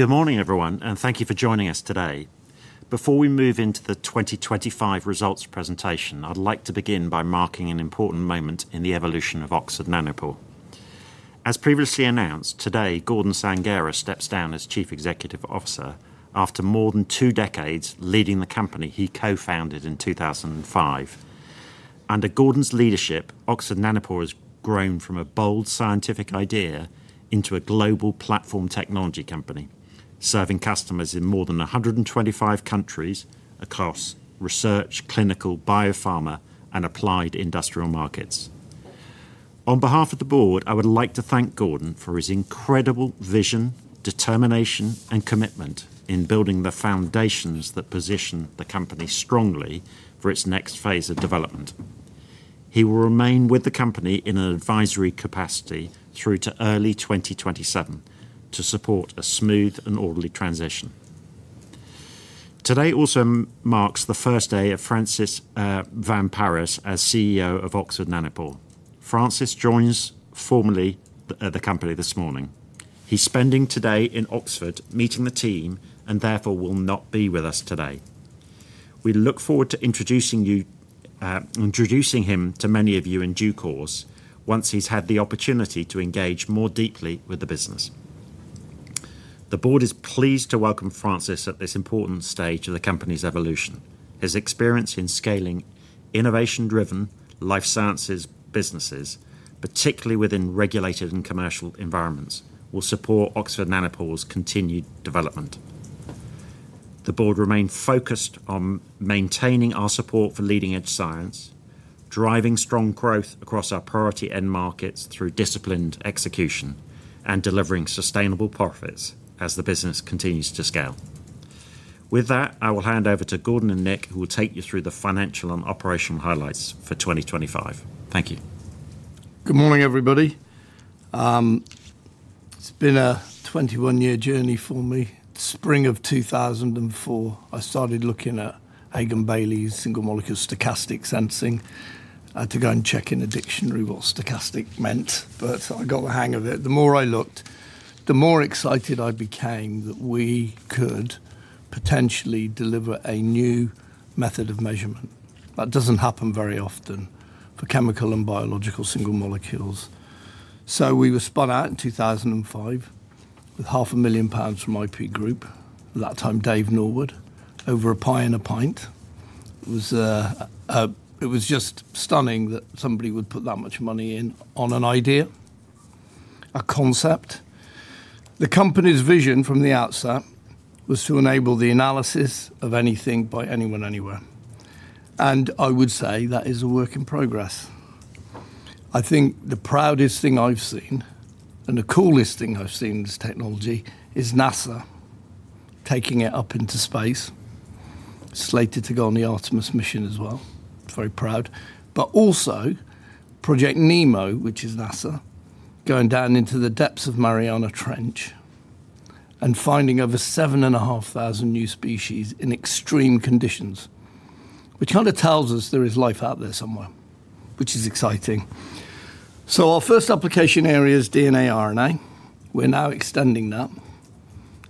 Good morning, everyone, and thank you for joining us today. Before we move into the 2025 results presentation, I'd like to begin by marking an important moment in the evolution of Oxford Nanopore. As previously announced, today Gordon Sanghera steps down as chief executive officer after more than two decades leading the company he co-founded in 2005. Under Gordon's leadership, Oxford Nanopore has grown from a bold scientific idea into a global platform technology company, serving customers in more than 125 countries across research, clinical, biopharma, and applied industrial markets. On behalf of the board, I would like to thank Gordon for his incredible vision, determination, and commitment in building the foundations that position the company strongly for its next phase of development. He will remain with the company in an advisory capacity through to early 2027 to support a smooth and orderly transition. Today also marks the first day of Francis Van Parys as CEO of Oxford Nanopore. Francis joins formally at the company this morning. He's spending today in Oxford meeting the team and therefore will not be with us today. We look forward to introducing you, introducing him to many of you in due course once he's had the opportunity to engage more deeply with the business. The board is pleased to welcome Francis at this important stage of the company's evolution. His experience in scaling innovation-driven life sciences businesses, particularly within regulated and commercial environments, will support Oxford Nanopore's continued development. The board remain focused on maintaining our support for leading-edge science, driving strong growth across our priority end markets through disciplined execution, and delivering sustainable profits as the business continues to scale. With that, I will hand over to Gordon and Nick, who will take you through the financial and operational highlights for 2025. Thank you. Good morning, everybody. It's been a 21-year journey for me. Spring of 2004, I started looking at Hagan Bayley's single molecule stochastic sensing. I had to go and check in the dictionary what stochastic meant, I got the hang of it. The more I looked, the more excited I became that we could potentially deliver a new method of measurement, that doesn't happen very often, for chemical and biological single molecules. We were spun out in 2005 with half a million GBP from IP Group, at that time David Norwood, over a pie and a pint. It was just stunning that somebody would put that much money in on an idea, a concept. The company's vision from the outset was to enable the analysis of anything by anyone, anywhere. I would say that is a work in progress. I think the proudest thing I've seen, and the coolest thing I've seen in this technology, is NASA taking it up into space. Slated to go on the Artemis mission as well. Very proud. Project NEEMO, which is NASA, going down into the depths of Mariana Trench and finding over 7,500 new species in extreme conditions, which kind of tells us there is life out there somewhere, which is exciting. Our first application area is DNA, RNA. We're now extending that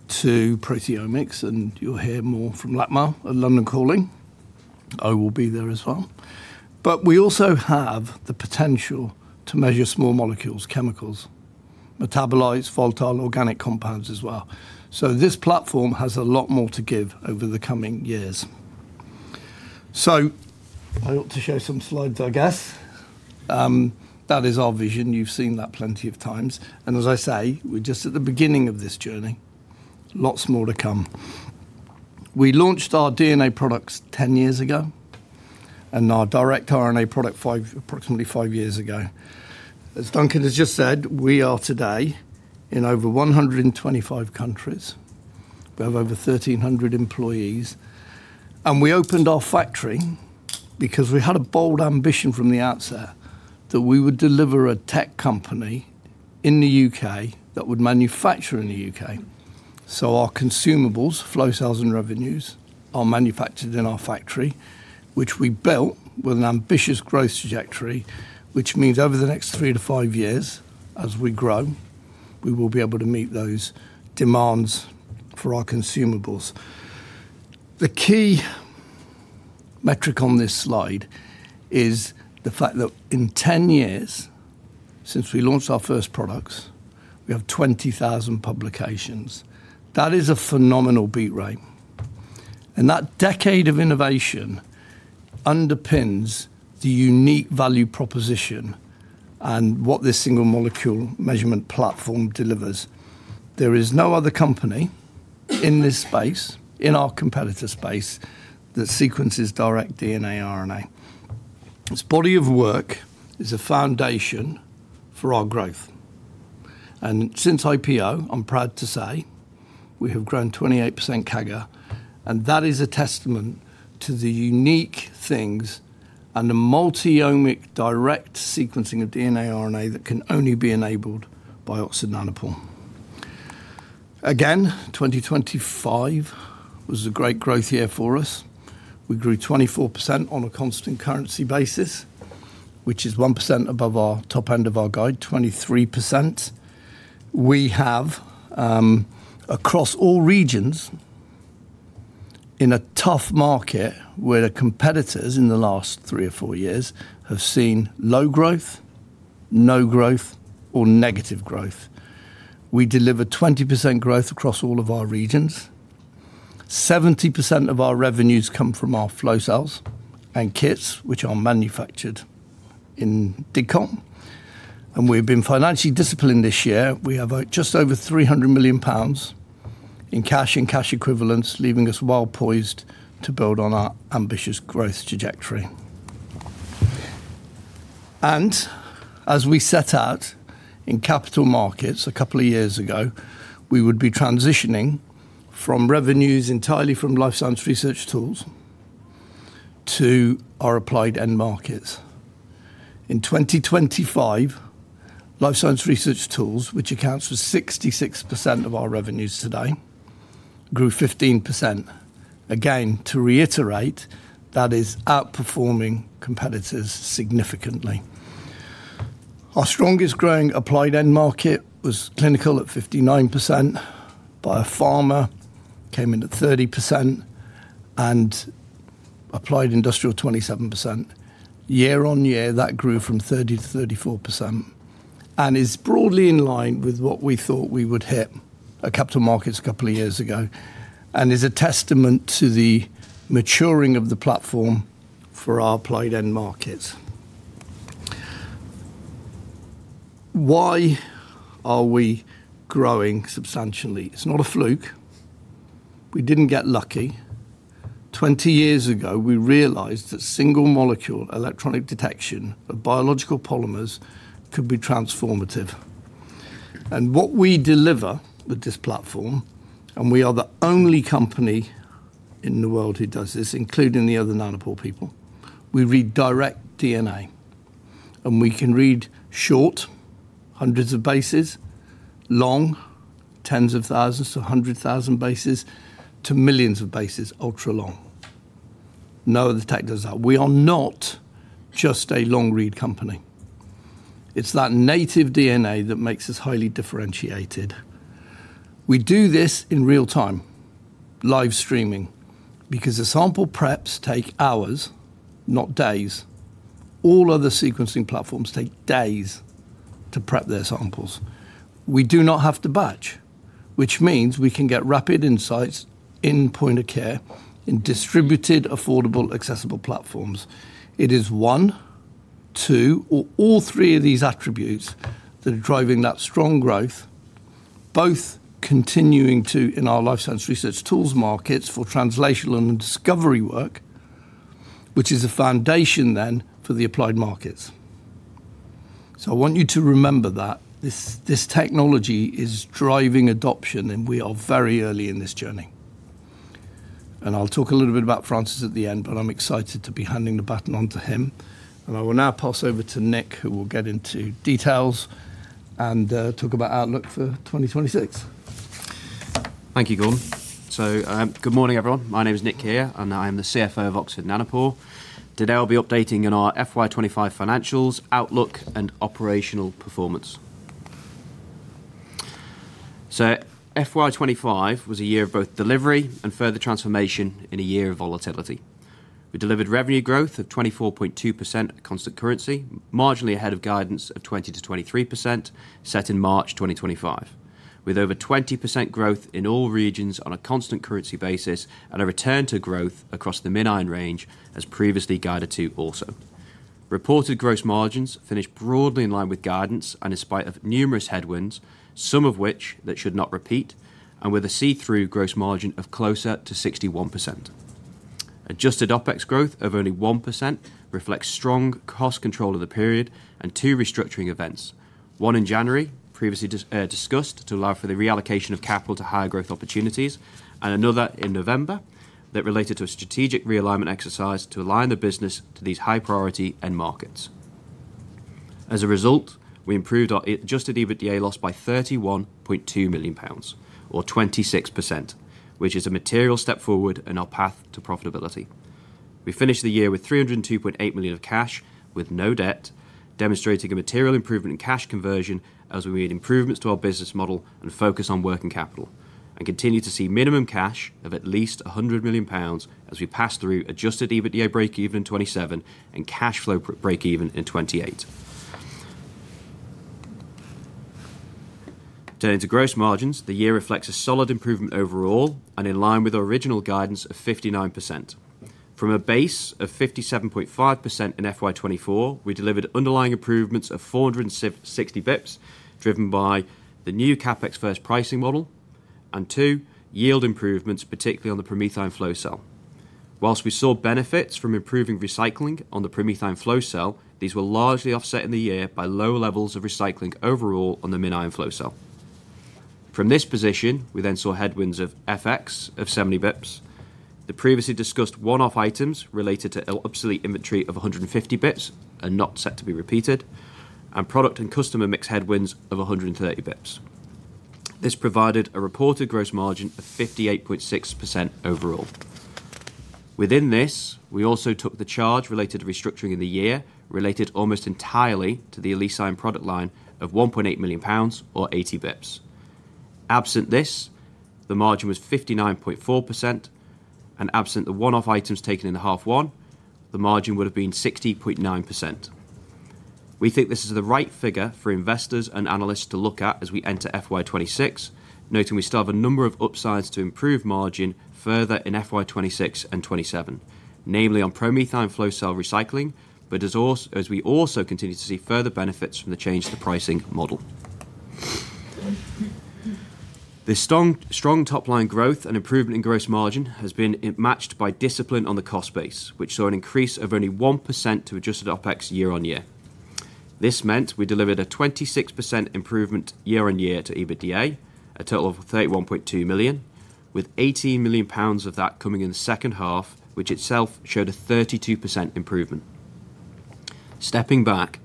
to proteomics, and you'll hear more from Lakmal at London Calling. I will be there as well. We also have the potential to measure small molecules, chemicals, metabolites, volatile organic compounds as well. This platform has a lot more to give over the coming years. I ought to show some slides, I guess. That is our vision. You've seen that plenty of times. As I say, we're just at the beginning of this journey. Lots more to come. We launched our DNA products 10 years ago, and our direct RNA product five, approximately five years ago. As Duncan has just said, we are today in over 125 countries. We have over 1,300 employees. We opened our factory because we had a bold ambition from the outset that we would deliver a tech company in the U.K. that would manufacture in the U.K. Our consumables, flow cells, and revenues are manufactured in our factory, which we built with an ambitious growth trajectory, which means over the next three to five years, as we grow, we will be able to meet those demands for our consumables. The key metric on this slide is the fact that in 10 years since we launched our first products, we have 20,000 publications. That is a phenomenal beat rate, and that decade of innovation underpins the unique value proposition and what this single molecule measurement platform delivers. There is no other company in this space, in our competitor space, that sequences direct DNA, RNA. This body of work is a foundation for our growth. Since IPO, I'm proud to say we have grown 28% CAGR, and that is a testament to the unique things and the multi-omic direct sequencing of DNA, RNA that can only be enabled by Oxford Nanopore. 2025 was a great growth year for us. We grew 24% on a constant currency basis, which is 1% above our top end of our guide, 23%. We have across all regions in a tough market where the competitors in the last three or four years have seen low growth, no growth or negative growth. We delivered 20% growth across all of our regions. 70% of our revenues come from our flow cells and kits which are manufactured in Didcot. We've been financially disciplined this year. We have just over 300 million pounds in cash and cash equivalents, leaving us well-poised to build on our ambitious growth trajectory. As we set out in capital markets a couple of years ago, we would be transitioning from revenues entirely from life science research tools to our applied end markets. In 2025, life science research tools, which accounts for 66% of our revenues today, grew 15%. Again to reiterate, that is outperforming competitors significantly. Our strongest growing applied end market was clinical at 59%. Biopharma came in at 30% and applied industrial, 27%. Year-on-year, that grew from 30%-34% and is broadly in line with what we thought we would hit at capital markets a couple of years ago and is a testament to the maturing of the platform for our applied end markets. Why are we growing substantially? It's not a fluke. We didn't get lucky. 20 years ago, we realized that single-molecule electronic detection of biological polymers could be transformative. What we deliver with this platform, and we are the only company in the world who does this, including the other Nanopore people, we read direct DNA, and we can read short, hundreds of bases, long, tens of thousands to 100,000 bases, to millions of bases, ultra long. No other tech does that. We are not just a long-read company. It's that native DNA that makes us highly differentiated. We do this in real-time, live streaming because the sample preps take hours, not days. All other sequencing platforms take days to prep their samples. We do not have to batch, which means we can get rapid insights in point of care in distributed, affordable, accessible platforms. It is one, two, or all three of these attributes that are driving that strong growth, both continuing to in our life science research tools markets for translation and discovery work, which is a foundation then for the applied markets. I want you to remember that this technology is driving adoption and we are very early in this journey. I'll talk a little bit about Francis at the end, but I'm excited to be handing the baton on to him, and I will now pass over to Nick, who will get into details and talk about outlook for 2026. Thank you, Gordon. Good morning everyone. My name is Nick Keher, I am the CFO of Oxford Nanopore. Today I'll be updating on our FY 2025 financials outlook and operational performance. FY 2025 was a year of both delivery and further transformation in a year of volatility. We delivered revenue growth of 24.2% constant currency, marginally ahead of guidance of 20%-23% set in March 2025, with over 20% growth in all regions on a constant currency basis and a return to growth across the MinION range as previously guided to also. Reported gross margins finished broadly in line with guidance and in spite of numerous headwinds, some of which that should not repeat, and with a see-through gross margin of closer to 61%. Adjusted OpEx growth of only 1% reflects strong cost control of the period and two restructuring events. One in January previously discussed to allow for the reallocation of capital to higher growth opportunities. Another in November that related to a strategic realignment exercise to align the business to these high priority end markets. As a result, we improved our adjusted EBITDA loss by 31.2 million pounds or 26%, which is a material step forward in our path to profitability. We finished the year with 302.8 million of cash with no debt, demonstrating a material improvement in cash conversion as we made improvements to our business model and focus on working capital and continue to see minimum cash of at least 100 million pounds as we pass through adjusted EBITDA break even in 2027 and cash flow break even in 2028. Turning to gross margins, the year reflects a solid improvement overall and in line with our original guidance of 59%. From a base of 57.5% in FY 2024, we delivered underlying improvements of 460 basis points, driven by the new CapEx-first pricing model and two yield improvements, particularly on the PromethION flow cell. Whilst we saw benefits from improving recycling on the PromethION flow cell, these were largely offset in the year by low levels of recycling overall on the MinION flow cell. From this position, we saw headwinds of FX of 70 basis points. The previously discussed one-off items related to obsolete inventory of 150 basis points are not set to be repeated, and product and customer mix headwinds of 130 basis points. This provided a reported gross margin of 58.6% overall. Within this, we also took the charge related to restructuring in the year, related almost entirely to the Elise product line of 1.8 million pounds or 80 basis points. Absent this, the margin was 59.4% and absent the one-off items taken in half one, the margin would have been 60.9%. We think this is the right figure for investors and analysts to look at as we enter FY 2026, noting we still have a number of upsides to improve margin further in FY 2026 and FY 2027, namely on PromethION flow cell recycling, as we also continue to see further benefits from the change to the pricing model. The strong top-line growth and improvement in gross margin has been matched by discipline on the cost base, which saw an increase of only 1% to adjusted OpEx year-over-year. This meant we delivered a 26% improvement year-over-year to EBITDA, a total of 31.2 million, with 80 million pounds of that coming in the second half, which itself showed a 32% improvement. Stepping back,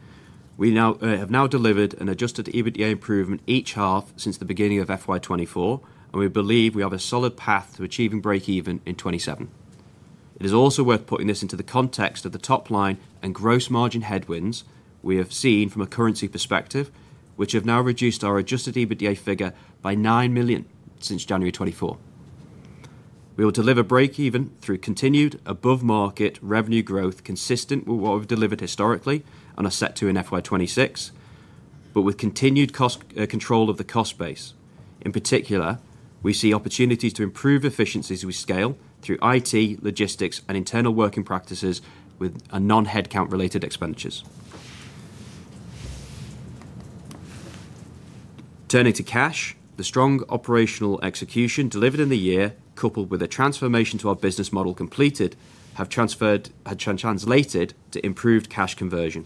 we have now delivered an adjusted EBITDA improvement each half since the beginning of FY 2024, and we believe we have a solid path to achieving break even in 2027. It is also worth putting this into the context of the top line and gross margin headwinds we have seen from a currency perspective, which have now reduced our adjusted EBITDA figure by 9 million since January 2024. We will deliver break even through continued above market revenue growth, consistent with what we've delivered historically and are set to in FY 2026, but with continued cost control of the cost base. In particular, we see opportunities to improve efficiencies we scale through IT, logistics and internal working practices with a non-headcount related expenditures. Turning to cash, the strong operational execution delivered in the year, coupled with a transformation to our business model completed, have translated to improved cash conversion.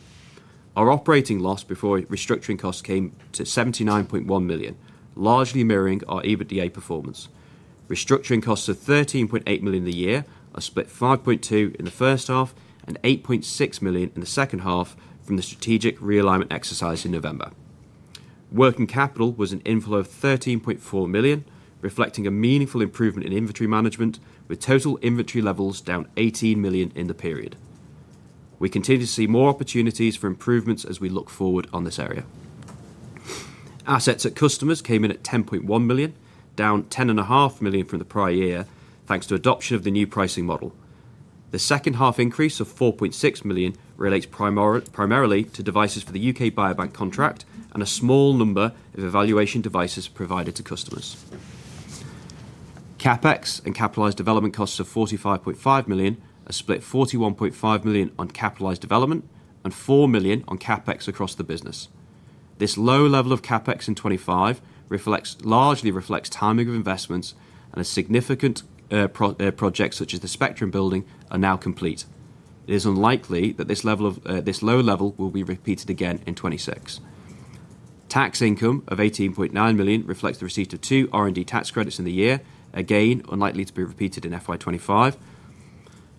Our operating loss before restructuring costs came to 79.1 million, largely mirroring our EBITDA performance. Restructuring costs of 13.8 million in the year, are split 5.2 million in the first half and 8.6 million in the second half from the strategic realignment exercise in November. Working capital was an inflow of 13.4 million, reflecting a meaningful improvement in inventory management, with total inventory levels down 18 million in the period. We continue to see more opportunities for improvements as we look forward on this area. Assets at customers came in at 10.1 million, down 10.5 million from the prior year, thanks to adoption of the new pricing model. The second half increase of 4.6 million relates primarily to devices for the UK Biobank contract and a small number of evaluation devices provided to customers. CapEx and capitalized development costs of 45.5 million, a split 41.5 million on capitalized development and 4 million on CapEx across the business. This low level of CapEx in 2025 largely reflects timing of investments and significant projects such as the Spectrum Building are now complete. It is unlikely that this low level will be repeated again in 2026. Tax income of 18.9 million reflects the receipt of two R&D tax credits in the year, again, unlikely to be repeated in FY 2025.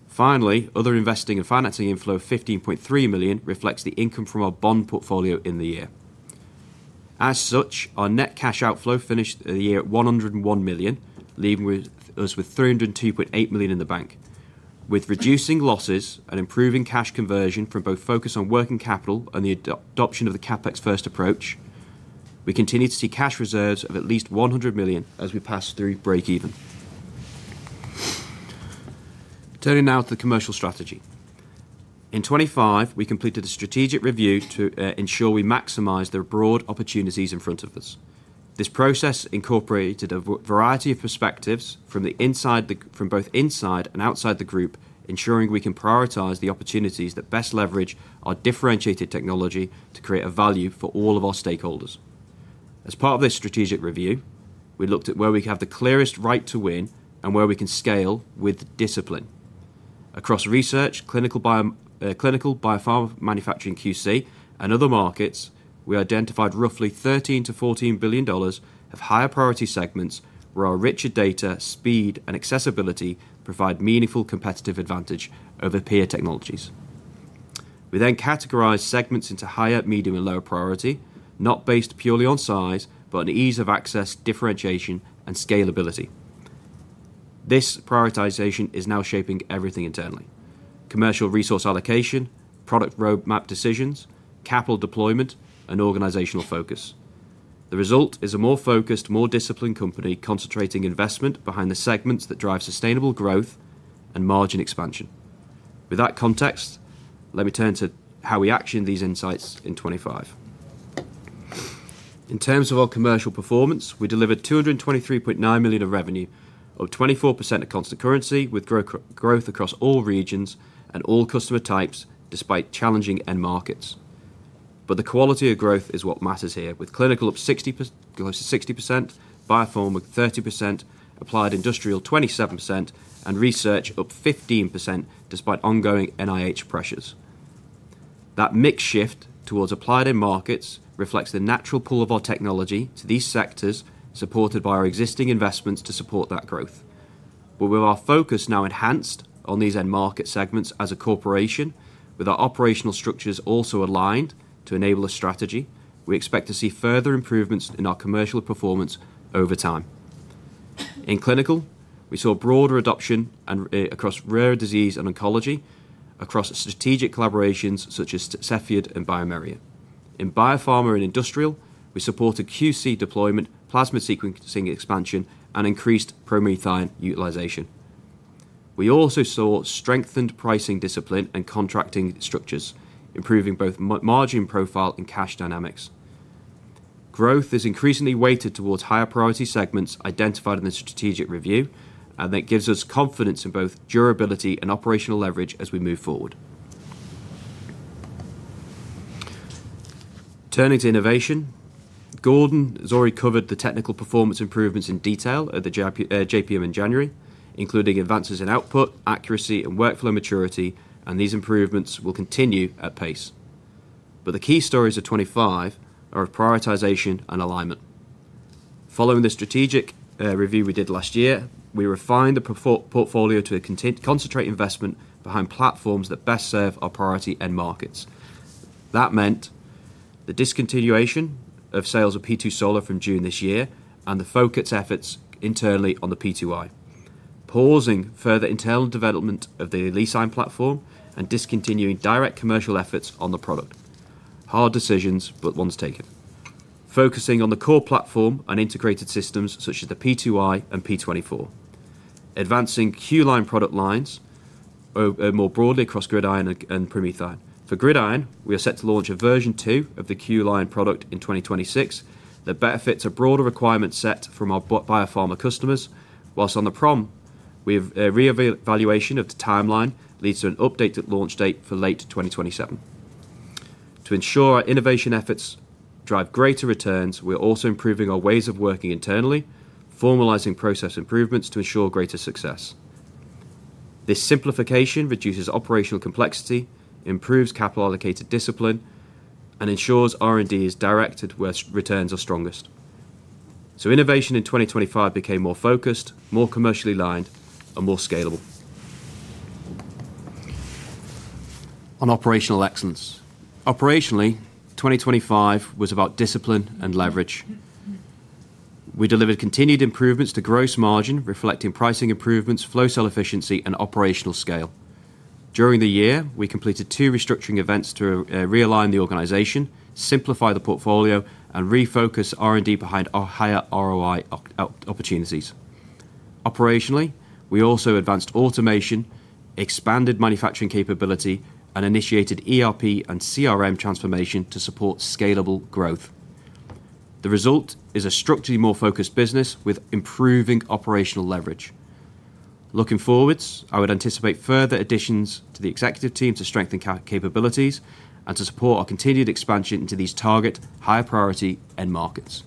Finally, other investing and financing inflow of 15.3 million reflects the income from our bond portfolio in the year. As such, our net cash outflow finished the year at 101 million, leaving with us with 302.8 million in the bank. With reducing losses and improving cash conversion from both focus on working capital and the adoption of the CapEx-first approach, we continue to see cash reserves of at least 100 million as we pass through break even. Turning now to the commercial strategy. In 2025, we completed a strategic review to ensure we maximize the broad opportunities in front of us. This process incorporated a variety of perspectives from both inside and outside the group, ensuring we can prioritize the opportunities that best leverage our differentiated technology to create a value for all of our stakeholders. As part of this strategic review, we looked at where we have the clearest right to win and where we can scale with discipline. Across research, clinical, biopharma, manufacturing QC, and other markets, we identified roughly $13 billion-$14 billion of higher priority segments where our richer data, speed, and accessibility provide meaningful competitive advantage over peer technologies. We then categorized segments into higher, medium, and lower priority, not based purely on size, but on ease of access, differentiation, and scalability. This prioritization is now shaping everything internally. Commercial resource allocation, product roadmap decisions, capital deployment, and organizational focus. The result is a more focused, more disciplined company concentrating investment behind the segments that drive sustainable growth and margin expansion. With that context, let me turn to how we action these insights in 2025. In terms of our commercial performance, we delivered 223.9 million of revenue of 24% at constant currency with growth across all regions and all customer types despite challenging end markets. The quality of growth is what matters here, with clinical up close to 60%, biopharma up 30%, applied industrial 27%, and research up 15% despite ongoing NIH pressures. That mix shift towards applied end markets reflects the natural pull of our technology to these sectors, supported by our existing investments to support that growth. With our focus now enhanced on these end market segments as a corporation, with our operational structures also aligned to enable a strategy, we expect to see further improvements in our commercial performance over time. In clinical, we saw broader adoption and across rare disease and oncology across strategic collaborations such as Cepheid and bioMérieux. In biopharma and industrial, we supported QC deployment, plasma sequencing expansion, and increased PromethION utilization. We also saw strengthened pricing discipline and contracting structures, improving both margin profile and cash dynamics. Growth is increasingly weighted towards higher priority segments identified in the strategic review, and that gives us confidence in both durability and operational leverage as we move forward. Turning to innovation, Gordon has already covered the technical performance improvements in detail at the JPM in January, including advances in output, accuracy, and workflow maturity, and these improvements will continue at pace. The key stories of 25 are of prioritization and alignment. Following the strategic review we did last year, we refined the portfolio to concentrate investment behind platforms that best serve our priority end markets. That meant the discontinuation of sales of P2 Solo from June this year and the focused efforts internally on the P2i. Pausing further internal development of the Elise platform and discontinuing direct commercial efforts on the product. Hard decisions, but ones taken. Focusing on the core platform and integrated systems such as the P2i and P24. Advancing Q-Line product lines more broadly across GridION and PromethION. For GridION, we are set to launch a version two of the Q-Line product in 2026 that benefits a broader requirement set from our biopharma customers. Whilst on the Prom, we have a reevaluation of the timeline leads to an updated launch date for late 2027. To ensure our innovation efforts drive greater returns, we're also improving our ways of working internally, formalizing process improvements to ensure greater success. This simplification reduces operational complexity, improves capital allocated discipline, and ensures R&D is directed where returns are strongest. Innovation in 2025 became more focused, more commercially aligned, and more scalable. On operational excellence. Operationally, 2025 was about discipline and leverage. We delivered continued improvements to gross margin, reflecting pricing improvements, flow cell efficiency, and operational scale. During the year, we completed two restructuring events to realign the organization, simplify the portfolio, and refocus R&D behind our higher ROI opportunities. Operationally, we also advanced automation, expanded manufacturing capability, and initiated ERP and CRM transformation to support scalable growth. The result is a structurally more focused business with improving operational leverage. Looking forwards, I would anticipate further additions to the executive team to strengthen capabilities and to support our continued expansion into these target higher priority end markets.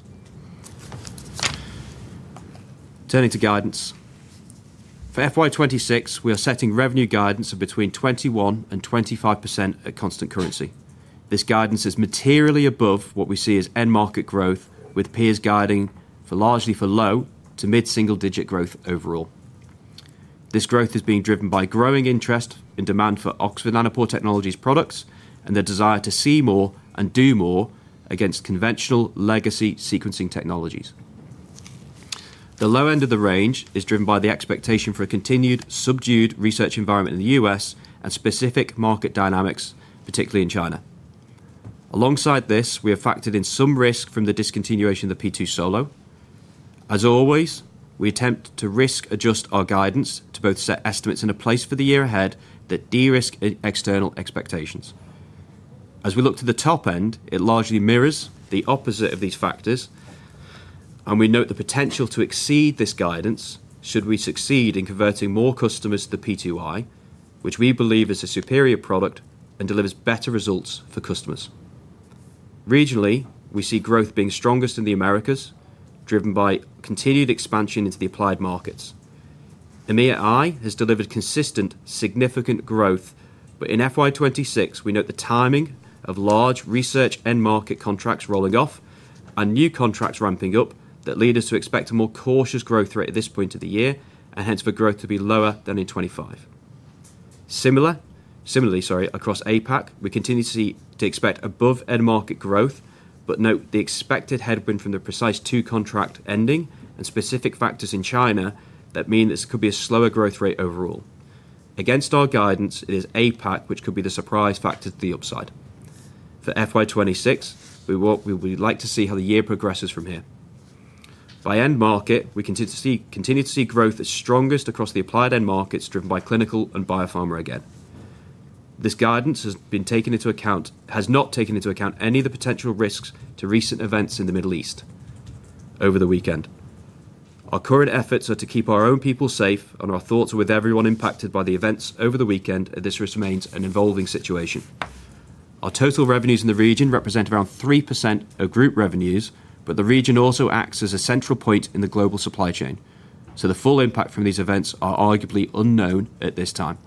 Turning to guidance. For FY 2026, we are setting revenue guidance of between 21% and 25% at constant currency. This guidance is materially above what we see as end market growth with peers guiding for largely low to mid-single-digit growth overall. This growth is being driven by growing interest and demand for Oxford Nanopore Technologies products and their desire to see more and do more against conventional legacy sequencing technologies. The low end of the range is driven by the expectation for a continued subdued research environment in the US and specific market dynamics, particularly in China. Alongside this, we have factored in some risk from the discontinuation of the P2 Solo. As always, we attempt to risk adjust our guidance to both set estimates in a place for the year ahead that de-risk external expectations. As we look to the top end, it largely mirrors the opposite of these factors, and we note the potential to exceed this guidance should we succeed in converting more customers to the P2i, which we believe is a superior product and delivers better results for customers. Regionally, we see growth being strongest in the Americas, driven by continued expansion into the applied markets. EMEA-I has delivered consistent, significant growth, but in FY 2026, we note the timing of large research end market contracts rolling off and new contracts ramping up that lead us to expect a more cautious growth rate at this point of the year, and hence for growth to be lower than in 2025. Similarly, sorry, across APAC, we continue to expect above end market growth, but note the expected headwind from the Precise2 contract ending and specific factors in China that mean this could be a slower growth rate overall. Against our guidance, it is APAC which could be the surprise factor to the upside. For FY 2026, we would like to see how the year progresses from here. By end market, we continue to see growth as strongest across the applied end markets driven by clinical and biopharma again. This guidance has not taken into account any of the potential risks to recent events in the Middle East over the weekend. Our current efforts are to keep our own people safe, and our thoughts are with everyone impacted by the events over the weekend, and this risk remains an evolving situation. Our total revenues in the region represent around 3% of group revenues, but the region also acts as a central point in the global supply chain. The full impact from these events are arguably unknown at this time.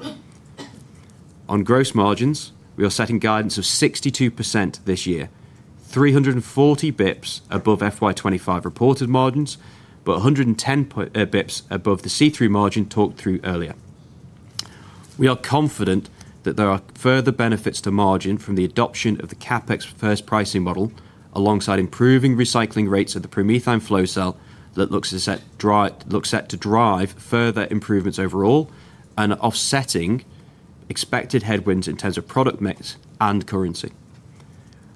On gross margins, we are setting guidance of 62% this year, 340 basis points above FY 2025 reported margins, but 110 basis points above the see-through margin talked through earlier. We are confident that there are further benefits to margin from the adoption of the CapEx-first pricing model alongside improving recycling rates of the PromethION flow cell that looks set to drive further improvements overall and offsetting expected headwinds in terms of product mix and currency.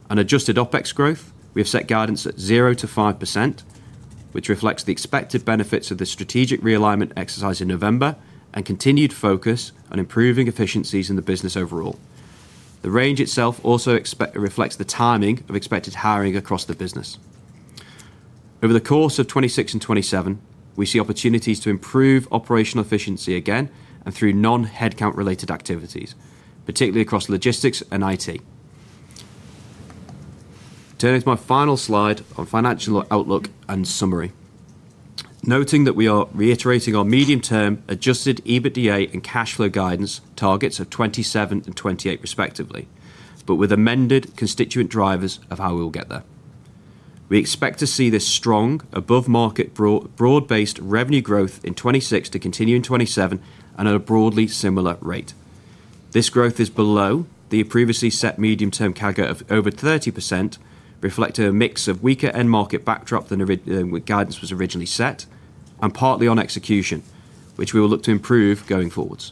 On adjusted OpEx growth, we have set guidance at 0%-5%, which reflects the expected benefits of the strategic realignment exercise in November and continued focus on improving efficiencies in the business overall. The range itself also reflects the timing of expected hiring across the business. Over the course of 2026 and 2027, we see opportunities to improve operational efficiency again and through non-headcount-related activities, particularly across logistics and IT. Turning to my final slide on financial outlook and summary. Noting that we are reiterating our medium-term adjusted EBITDA and cash flow guidance targets of 27 and 28 respectively, with amended constituent drivers of how we will get there. We expect to see this strong above-market broad-based revenue growth in 2026 to continue in 2027 and at a broadly similar rate. This growth is below the previously set medium-term CAGR of over 30%, reflecting a mix of weaker end market backdrop than when guidance was originally set, and partly on execution, which we will look to improve going forward.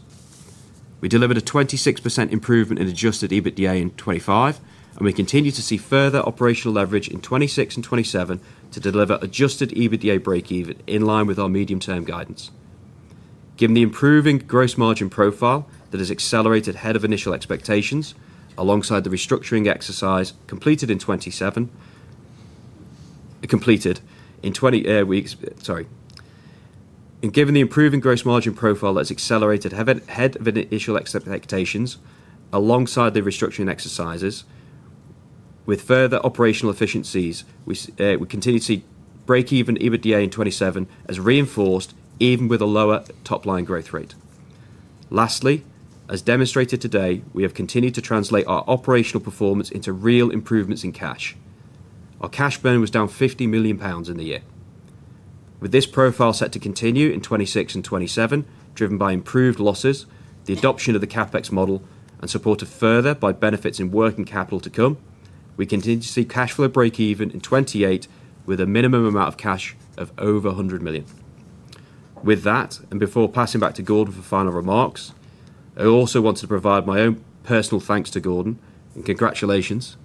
We delivered a 26% improvement in adjusted EBITDA in 2025, we continue to see further operational leverage in 2026 and 2027 to deliver adjusted EBITDA breakeven in line with our medium-term guidance. Given the improving gross margin profile that has accelerated ahead of initial expectations alongside the restructuring exercise completed in 2027... Completed in 20 weeks, sorry. Given the improving gross margin profile that's accelerated ahead of initial expectations alongside the restructuring exercises. With further operational efficiencies, we continue to see breakeven EBITDA in 2027 as reinforced even with a lower top-line growth rate. Lastly, as demonstrated today, we have continued to translate our operational performance into real improvements in cash. Our cash burn was down 50 million pounds in the year. With this profile set to continue in 2026 and 2027, driven by improved losses, the adoption of the CapEx model and supported further by benefits in working capital to come, we continue to see cash flow breakeven in 2028 with a minimum amount of cash of over 100 million. With that, and before passing back to Gordon for final remarks, I also want to provide my own personal thanks to Gordon and congratulations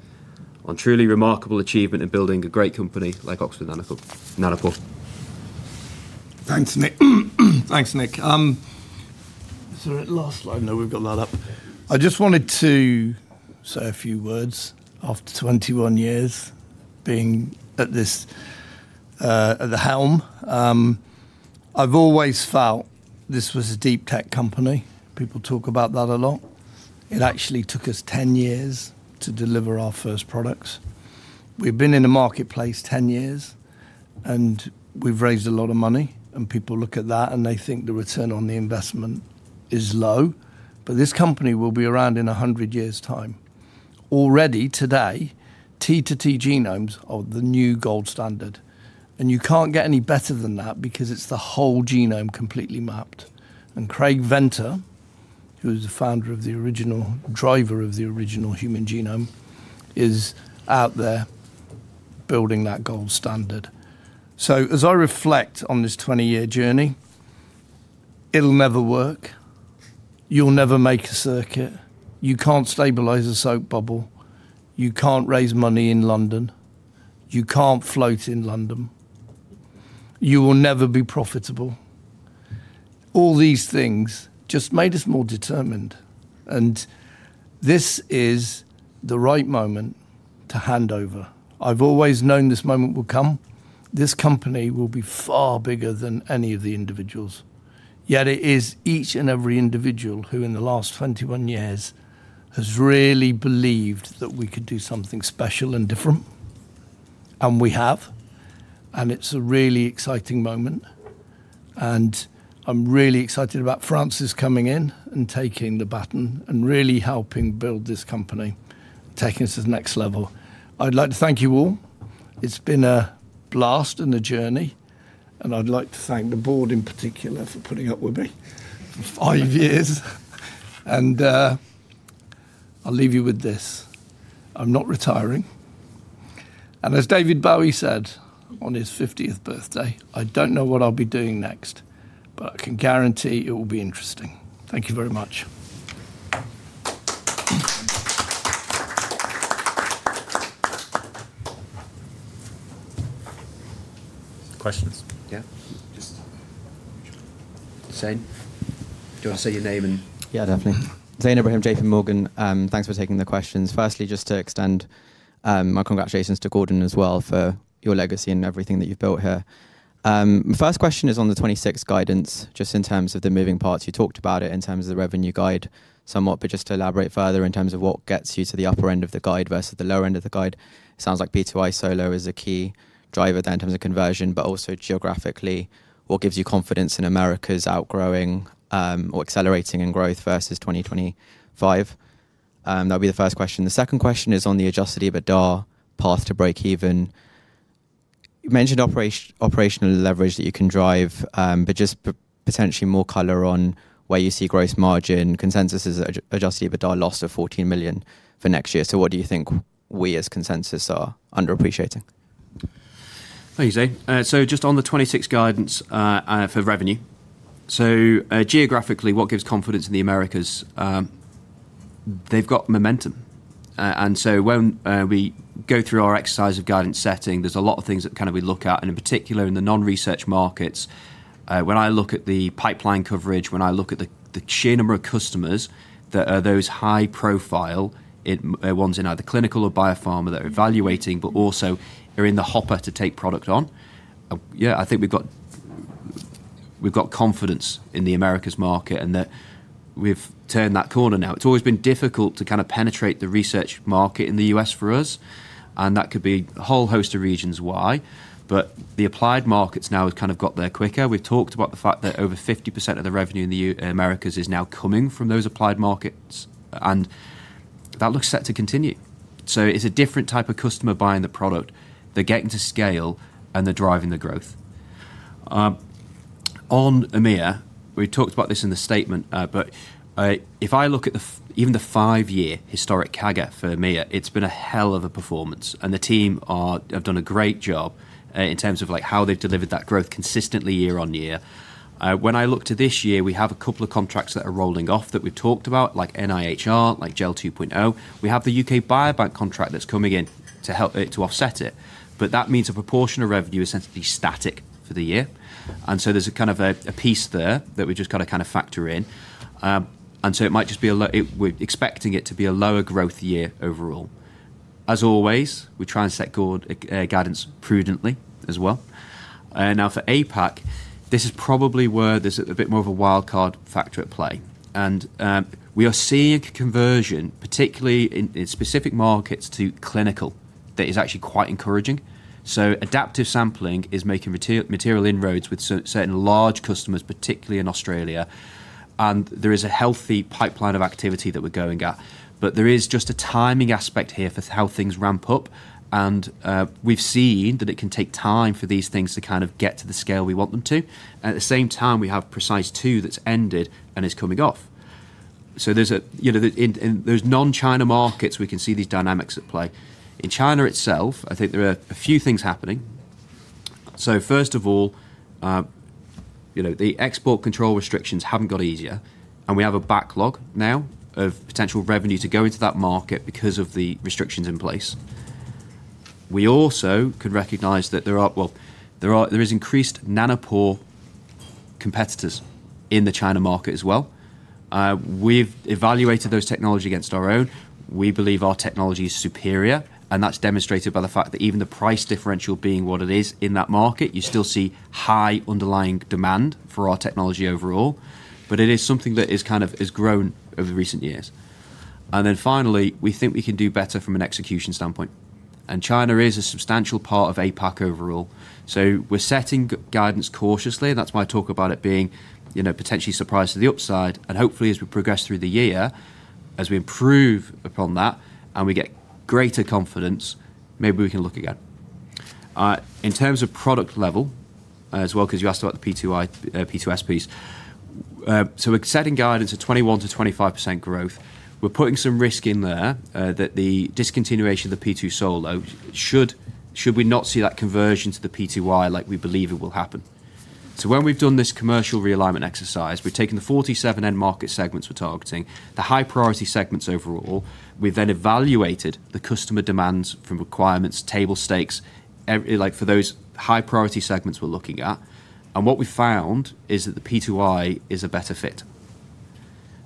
on a truly remarkable achievement in building a great company like Oxford Nanopore. Thanks, Nick. Thanks, Nick. At last slide, no, we've got that up. I just wanted to say a few words after 21 years being at this, at the helm. I've always felt this was a deep tech company. People talk about that a lot. It actually took us 10 years to deliver our first products. We've been in the marketplace 10 years, and we've raised a lot of money, and people look at that, and they think the return on the investment is low. This company will be around in 100 years' time. Already today, T2T genomes are the new gold standard, and you can't get any better than that because it's the whole genome completely mapped. Craig Venter, who is the founder of the original, driver of the original human genome, is out there building that gold standard. As I reflect on this 20-year journey, it'll never work. You'll never make a circuit. You can't stabilize a soap bubble. You can't raise money in London. You can't float in London. You will never be profitable. All these things just made us more determined, and this is the right moment to hand over. I've always known this moment would come. This company will be far bigger than any of the individuals. Yet it is each and every individual who in the last 21 years has really believed that we could do something special and different, and we have. It's a really exciting moment. I'm really excited about Francis coming in and taking the baton and really helping build this company, taking us to the next level. I'd like to thank you all. It's been a blast and a journey, and I'd like to thank the board in particular for putting up with me for five years. I'll leave you with this. I'm not retiring, and as David Bowie said on his fiftieth birthday, "I don't know what I'll be doing next, but I can guarantee it will be interesting." Thank you very much. Questions? Yeah. Just Zane. Do you wanna say your name and- Yeah, definitely. Zane, JPMorgan. Thanks for taking the questions. Firstly, just to extend, my congratulations to Gordon as well for your legacy and everything that you've built here. First question is on the 26 guidance, just in terms of the moving parts. You talked about it in terms of the revenue guide somewhat, but just to elaborate further in terms of what gets you to the upper end of the guide versus the lower end of the guide. It sounds like P2i Solo is a key driver then in terms of conversion, but also geographically, what gives you confidence in Americas outgrowing or accelerating in growth versus 2025? That'll be the first question. The second question is on the adjusted EBITDA path to breakeven. You mentioned operation, operational leverage that you can drive, but just potentially more color on where you see gross margin consensus is adjusted EBITDA loss of 14 million for next year. What do you think we as consensus are underappreciating? Thank you, Zane. Just on the 2026 guidance for revenue. Geographically, what gives confidence in the Americas, they've got momentum. When we go through our exercise of guidance setting, there's a lot of things that kind of we look at, and in particular in the non-research markets, when I look at the pipeline coverage, when I look at the sheer number of customers that are those high profile ones in either clinical or biopharma that are evaluating, but also are in the hopper to take product on. I think we've got, we've got confidence in the Americas market, and that we've turned that corner now. It's always been difficult to kind of penetrate the research market in the U.S. for us, and that could be a whole host of reasons why. The applied markets now have kind of got there quicker. We've talked about the fact that over 50% of the revenue in the Americas is now coming from those applied markets, and that looks set to continue. It's a different type of customer buying the product. They're getting to scale, and they're driving the growth. On EMEA, we talked about this in the statement, but if I look at even the 5-year historic CAGR for EMEA, it's been a hell of a performance, and the team have done a great job in terms of like how they've delivered that growth consistently year-on-year. When I look to this year, we have a couple of contracts that are rolling off that we've talked about, like NIHR, like GEL 2.0. We have the UK Biobank contract that's coming in to offset it, but that means a proportion of revenue is essentially static for the year. There's a kind of a piece there that we've just got to kind of factor in. It might just be a lower growth year overall. As always, we try and set guidance prudently as well. Now for APAC, this is probably where there's a bit more of a wildcard factor at play. We are seeing conversion, particularly in specific markets to clinical that is actually quite encouraging. Adaptive sampling is making material inroads with certain large customers, particularly in Australia. There is a healthy pipeline of activity that we're going at. There is just a timing aspect here for how things ramp up. We've seen that it can take time for these things to kind of get to the scale we want them to. At the same time, we have Precise2 that's ended and is coming off. There's a, you know, in those non-China markets, we can see these dynamics at play. In China itself, I think there are a few things happening. First of all, you know, the export control restrictions haven't got easier, and we have a backlog now of potential revenue to go into that market because of the restrictions in place. We also could recognize that there is increased Nanopore competitors in the China market as well. We've evaluated those technology against our own. We believe our technology is superior, and that's demonstrated by the fact that even the price differential being what it is in that market, you still see high underlying demand for our technology overall. It is something that is kind of has grown over recent years. Finally, we think we can do better from an execution standpoint. China is a substantial part of APAC overall. We're setting guidance cautiously. That's my talk about it being, you know, potentially surprise to the upside. Hopefully, as we progress through the year, as we improve upon that and we get greater confidence, maybe we can look again. In terms of product level as well, because you asked about the P2S piece. We're setting guidance of 21%-25% growth. We're putting some risk in there, that the discontinuation of the P2 Solo should we not see that conversion to the P2i like we believe it will happen. When we've done this commercial realignment exercise, we've taken the 47 end market segments we're targeting, the high priority segments overall. We evaluated the customer demands from requirements, table stakes, like for those high priority segments we're looking at. What we found is that the P2i is a better fit.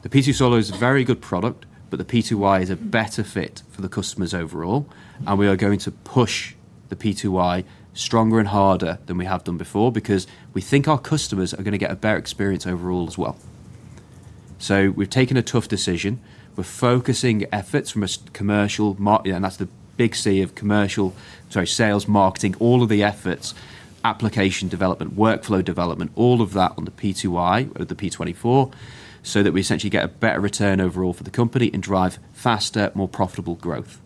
The P2 Solo is a very good product, but the P2i is a better fit for the customers overall, and we are going to push the P2i stronger and harder than we have done before because we think our customers are gonna get a better experience overall as well. We've taken a tough decision. We're focusing efforts from a commercial and that's the big C of commercial, sorry, sales, marketing, all of the efforts, application development, workflow development, all of that on the P2i or the PromethION 24, so that we essentially get a better return overall for the company and drive faster, more profitable growth.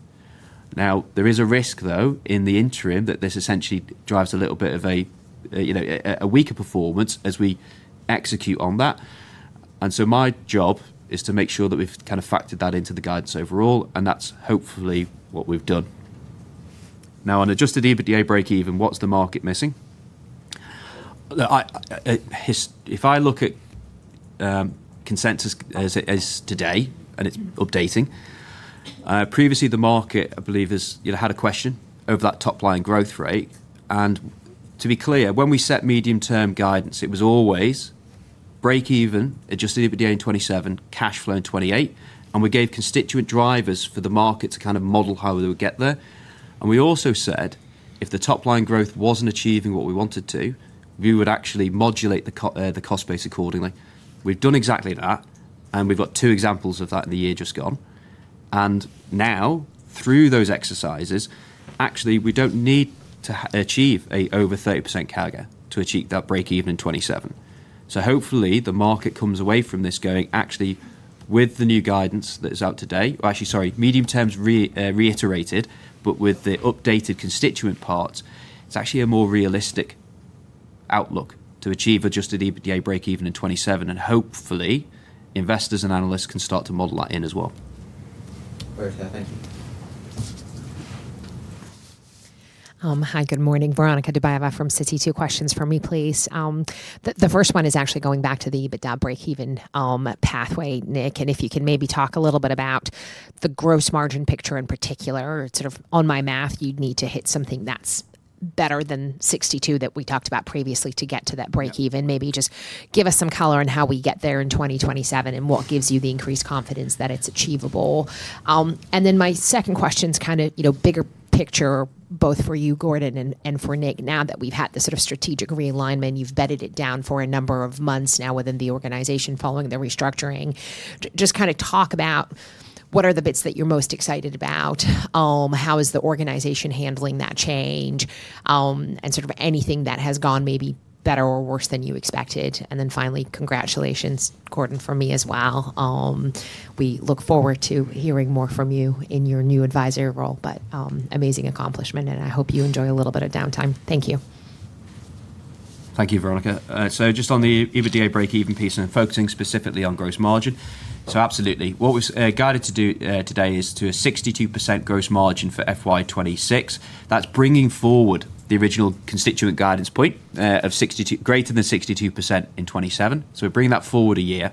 There is a risk, though, in the interim that this essentially drives a little bit of a, you know, a weaker performance as we execute on that. My job is to make sure that we've kind of factored that into the guidance overall, and that's hopefully what we've done. On adjusted EBITDA breakeven, what's the market missing? If I look at consensus as today, and it's updating, previously the market, I believe, has, you know, had a question over that top-line growth rate. To be clear, when we set medium-term guidance, it was always breakeven, adjusted EBITDA in 2027, cash flow in 2028. We gave constituent drivers for the market to kind of model how they would get there. We also said if the top-line growth wasn't achieving what we want it to, we would actually modulate the cost base accordingly. We've done exactly that, and we've got two examples of that in the year just gone. Now, through those exercises, actually, we don't need to achieve over 30% CAGR to achieve that breakeven in 2027. Hopefully the market comes away from this going actually with the new guidance that is out today. Actually, sorry, medium terms reiterated, but with the updated constituent parts, it's actually a more realistic outlook to achieve adjusted EBITDA breakeven in 2027, and hopefully investors and analysts can start to model that in as well. Perfect. Thank you. Hi. Good morning. Veronika Dubajova from Citi. Two questions for me, please. The first one is actually going back to the EBITDA breakeven pathway, Nick. If you can maybe talk a little bit about the gross margin picture in particular. Sort of on my math, you'd need to hit something that's better than 62% that we talked about previously to get to that breakeven. Maybe just give us some color on how we get there in 2027 and what gives you the increased confidence that it's achievable? My second question is kinda, you know, bigger picture both for you, Gordon, and for Nick. Now that we've had the sort of strategic realignment, you've bedded it down for a number of months now within the organization following the restructuring. Just kind of talk about what are the bits that you're most excited about, how is the organization handling that change, sort of anything that has gone maybe better or worse than you expected. Finally, congratulations, Gordon, from me as well. We look forward to hearing more from you in your new advisory role, but amazing accomplishment, I hope you enjoy a little bit of downtime. Thank you. Thank you, Veronika. Just on the EBITDA breakeven piece and focusing specifically on gross margin. Absolutely. What was guided to do today is to a 62% gross margin for FY 2026. That's bringing forward the original constituent guidance point of greater than 62% in 2027. We're bringing that forward a year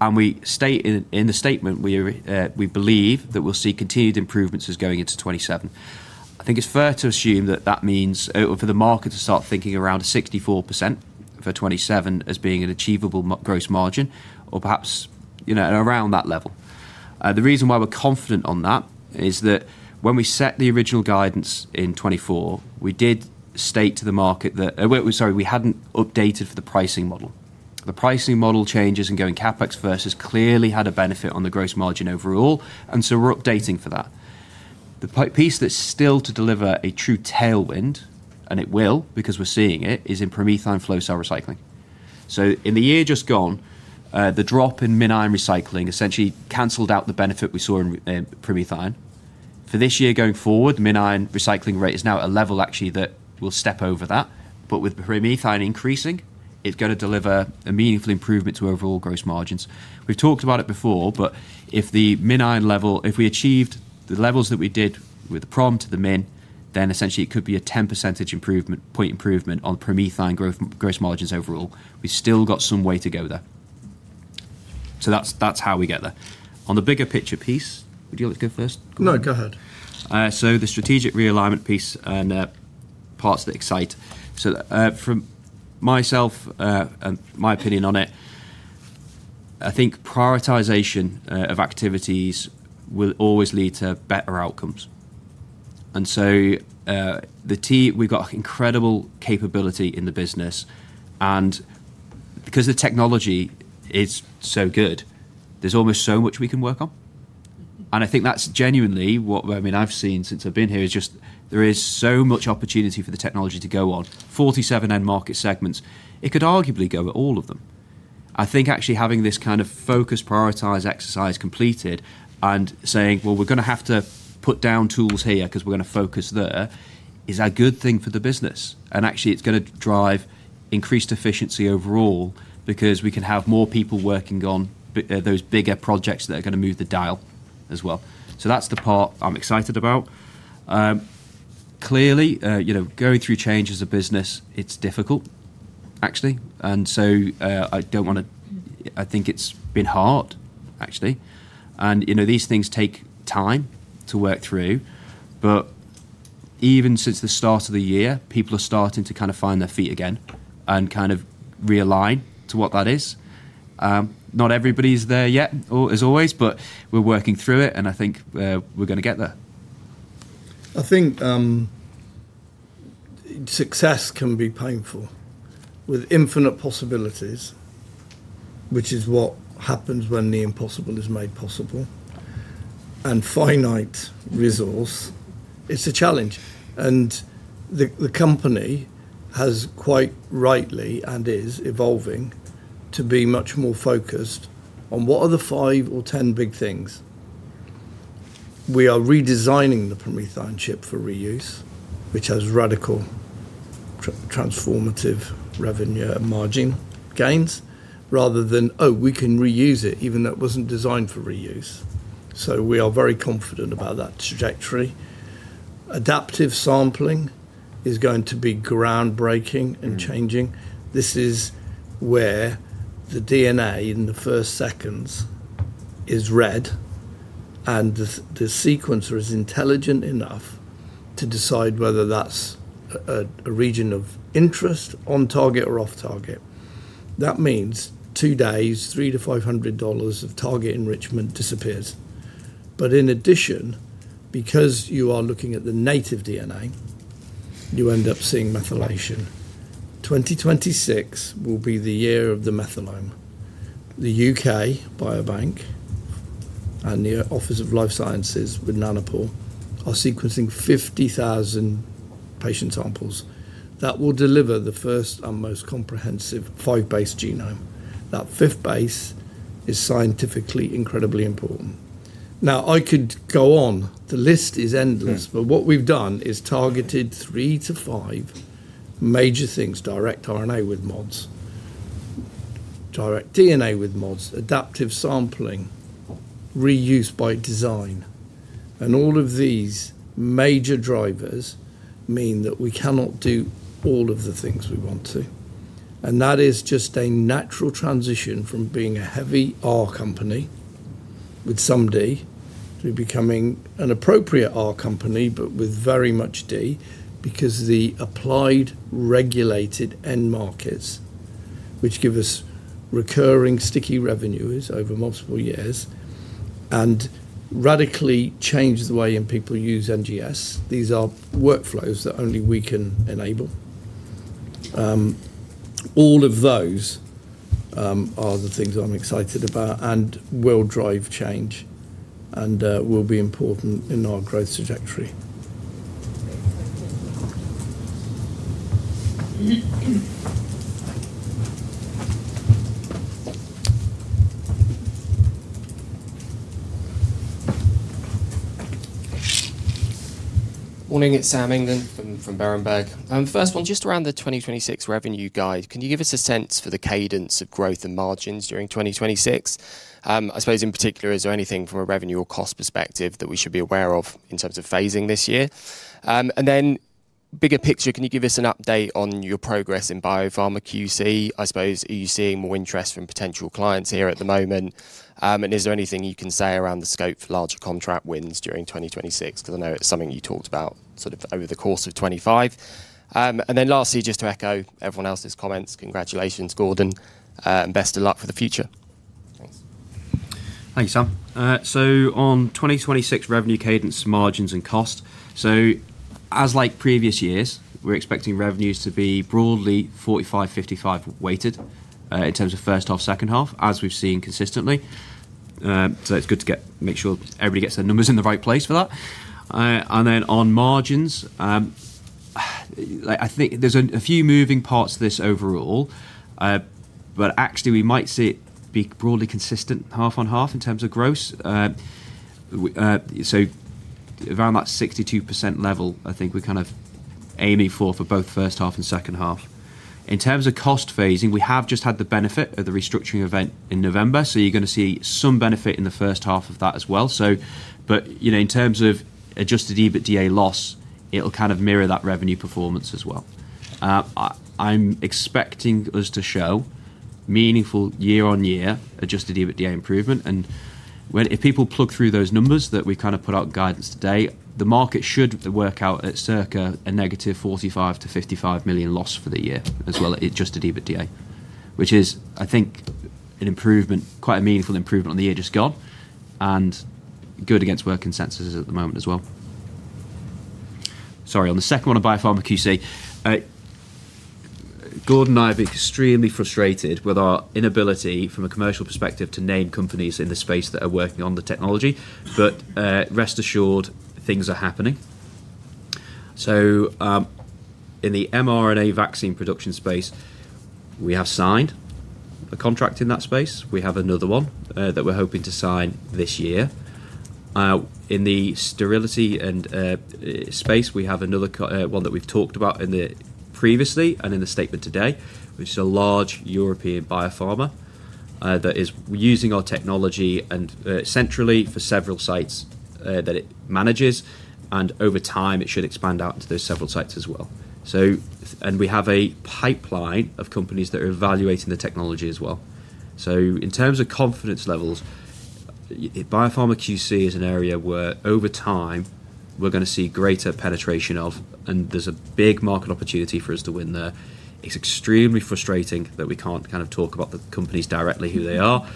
and we state in the statement we believe that we'll see continued improvements as going into 2027. I think it's fair to assume that that means or for the market to start thinking around a 64% for 2027 as being an achievable gross margin or perhaps, you know, around that level. The reason why we're confident on that is that when we set the original guidance in 2024, we did state to the market that... Sorry, we hadn't updated for the pricing model. The pricing model changes in going CapEx first has clearly had a benefit on the gross margin overall, we're updating for that. The piece that's still to deliver a true tailwind, and it will because we're seeing it, is in PromethION flow cell recycling. In the year just gone, the drop in MinION recycling essentially canceled out the benefit we saw in PromethION. For this year going forward, MinION recycling rate is now at a level actually that will step over that, but with PromethION increasing, it's gonna deliver a meaningful improvement to overall gross margins. We've talked about it before, if the MinION level, if we achieved the levels that we did with the Prom to the Min, then essentially it could be a 10% improvement, point improvement on PromethION growth, gross margins overall. We've still got some way to go there. That's, that's how we get there. On the bigger picture piece, would you like to go first, Gordon? No, go ahead. The strategic realignment piece and the parts that excite. From myself, and my opinion on it, I think prioritization of activities will always lead to better outcomes. We've got incredible capability in the business, and because the technology is so good, there's almost so much we can work on. I think that's genuinely what, I mean, I've seen since I've been here is just there is so much opportunity for the technology to go on. 47 end market segments, it could arguably go at all of them. I think actually having this kind of focus prioritize exercise completed and saying, "Well, we're gonna have to put down tools here 'cause we're gonna focus there," is a good thing for the business. Actually, it's gonna drive increased efficiency overall because we can have more people working on those bigger projects that are gonna move the dial as well. That's the part I'm excited about. Clearly, you know, going through change as a business, it's difficult actually. I think it's been hard actually. You know, these things take time to work through. Even since the start of the year, people are starting to kind of find their feet again and kind of realign to what that is. Not everybody's there yet or as always, but we're working through it, and I think, we're gonna get there. I think success can be painful. With infinite possibilities, which is what happens when the impossible is made possible, and finite resource, it's a challenge. The company has quite rightly, and is evolving to be much more focused on what are the 5 or 10 big things. We are redesigning the PromethION chip for reuse, which has radical transformative revenue, margin gains rather than, "Oh, we can reuse it even though it wasn't designed for reuse." We are very confident about that trajectory. adaptive sampling is going to be groundbreaking and changing. This is where the DNA in the first seconds is read and the sequencer is intelligent enough to decide whether that's a region of interest on target or off target. That means two days, $300-$500 of target enrichment disappears. In addition, because you are looking at the native DNA, you end up seeing methylation. 2026 will be the year of the methylome. The UK Biobank and the Office for Life Sciences with Nanopore are sequencing 50,000 patient samples that will deliver the first and most comprehensive five-base genome. That fifth base is scientifically incredibly important. I could go on. The list is endless. Yeah. What we've done is targeted 3-5 major things: direct RNA with mods, direct DNA with mods, adaptive sampling, reuse by design. All of these major drivers mean that we cannot do all of the things we want to. That is just a natural transition from being a heavy R company with some D to becoming an appropriate R company, but with very much D because the applied regulated end markets, which give us recurring sticky revenues over multiple years and radically changes the way in people use NGS. These are workflows that only we can enable. All of those are the things I'm excited about and will drive change and will be important in our growth trajectory. Morning, it's Sam England from Berenberg. Just around the 2026 revenue guide, can you give us a sense for the cadence of growth and margins during 2026? I suppose in particular, is there anything from a revenue or cost perspective that we should be aware of in terms of phasing this year? Bigger picture, can you give us an update on your progress in Biopharma QC? I suppose, are you seeing more interest from potential clients here at the moment? Is there anything you can say around the scope for larger contract wins during 2026? 'Cause I know it's something you talked about sort of over the course of 2025. Lastly, just to echo everyone else's comments, congratulations, Gordon, and best of luck for the future. Thanks. Thank you, Sam. On 2026 revenue cadence margins and cost. As like previous years, we're expecting revenues to be broadly 45, 55 weighted in terms of first half, second half, as we've seen consistently. It's good to make sure everybody gets their numbers in the right place for that. On margins, like I think there's a few moving parts to this overall, but actually we might see it be broadly consistent half on half in terms of gross. Around that 62% level, I think we're kind of aiming for both first half and second half. In terms of cost phasing, we have just had the benefit of the restructuring event in November, so you're gonna see some benefit in the first half of that as well. You know, in terms of adjusted EBITDA loss, it'll kind of mirror that revenue performance as well. I'm expecting us to show meaningful year-on-year adjusted EBITDA improvement. If people plug through those numbers that we kinda put out guidance today, the market should work out at circa a -45 million to 55 million loss for the year as well at adjusted EBITDA. Which is, I think, an improvement, quite a meaningful improvement on the year just gone, and good against where consensus is at the moment as well. Sorry. On the second one on Biopharma QC, Gordon and I have been extremely frustrated with our inability from a commercial perspective to name companies in this space that are working on the technology. Rest assured things are happening. In the mRNA vaccine production space, we have signed a contract in that space. We have another one that we're hoping to sign this year. In the sterility and space, we have another one that we've talked about previously and in the statement today, which is a large European biopharma that is using our technology and centrally for several sites that it manages, and over time it should expand out into those several sites as well. We have a pipeline of companies that are evaluating the technology as well. In terms of confidence levels, biopharma QC is an area where over time we're gonna see greater penetration of, and there's a big market opportunity for us to win there. It's extremely frustrating that we can't kind of talk about the companies directly who they are.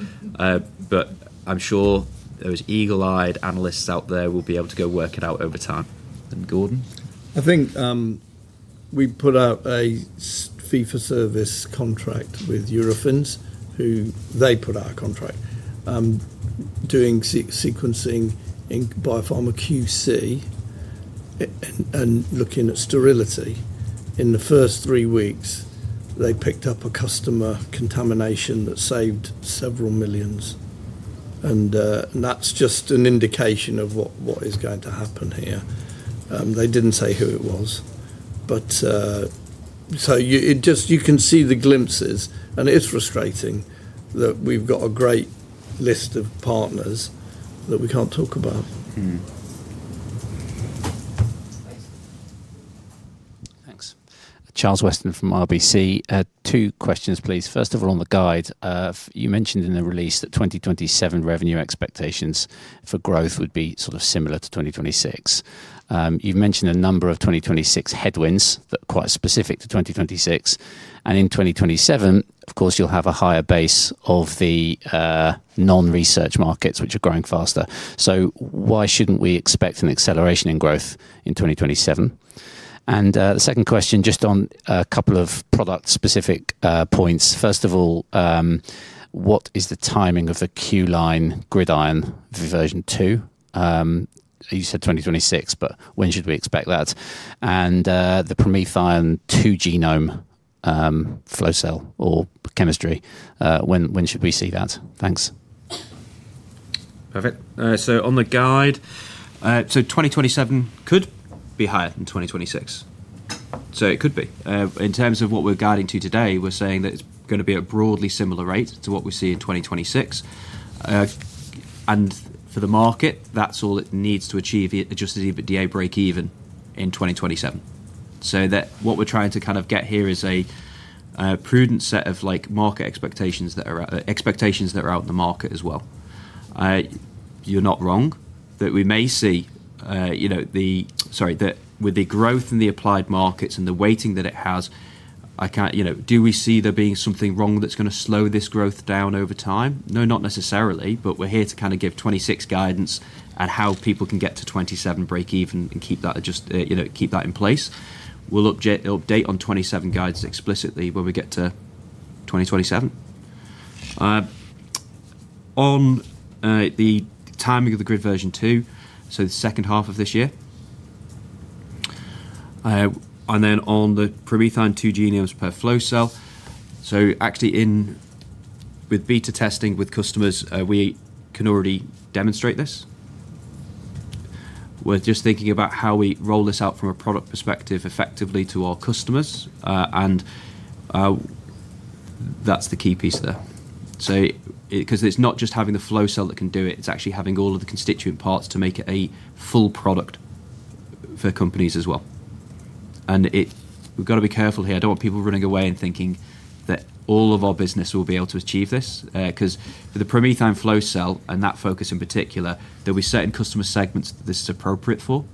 I'm sure those eagle-eyed analysts out there will be able to go work it out over time. Gordon? I think, we put out a fee for service contract with Eurofins who they put out a contract, doing sequencing in Biopharma QC and looking at sterility. In the first three weeks, they picked up a customer contamination that saved several million GBP and that's just an indication of what is going to happen here. They didn't say who it was, but, so it just you can see the glimpses and it's frustrating that we've got a great list of partners that we can't talk about. Mm-hmm. Thanks. Thanks. Charles Weston from RBC. Two questions, please. First of all, on the guide, you mentioned in the release that 2027 revenue expectations for growth would be sort of similar to 2026. You've mentioned a number of 2026 headwinds that are quite specific to 2026. In 2027, of course, you'll have a higher base of the non-research markets which are growing faster. Why shouldn't we expect an acceleration in growth in 2027? The second question, just on a couple of product-specific points. First of all, what is the timing of the Q-Line GridION for version 2? You said 2026, but when should we expect that? The PromethION 2 genome, flow cell or chemistry, when should we see that? Thanks. Perfect. On the guide, 2027 could be higher than 2026. It could be. In terms of what we're guiding to today, we're saying that it's gonna be a broadly similar rate to what we see in 2026. For the market, that's all it needs to achieve adjusted EBITDA breakeven in 2027. What we're trying to kind of get here is a prudent set of like market expectations that are out, expectations that are out in the market as well. You're not wrong that we may see, you know, Sorry, with the growth in the applied markets and the weighting that it has, I can't... You know, do we see there being something wrong that's gonna slow this growth down over time? No, not necessarily. We're here to kind of give 26 guidance on how people can get to 27 breakeven and keep that just, you know, keep that in place. We'll update on 27 guidance explicitly when we get to 2027. On the timing of the Grid version two, so the second half of this year. On the PromethION 2 genomes per flow cell. Actually with beta testing with customers, we can already demonstrate this. We're just thinking about how we roll this out from a product perspective effectively to our customers, and that's the key piece there. Because it's not just having the flow cell that can do it's actually having all of the constituent parts to make it a full product for companies as well. We've gotta be careful here. I don't want people running away and thinking that all of our business will be able to achieve this, 'cause for the PromethION flow cell, and that focus in particular, there'll be certain customer segments this is appropriate for.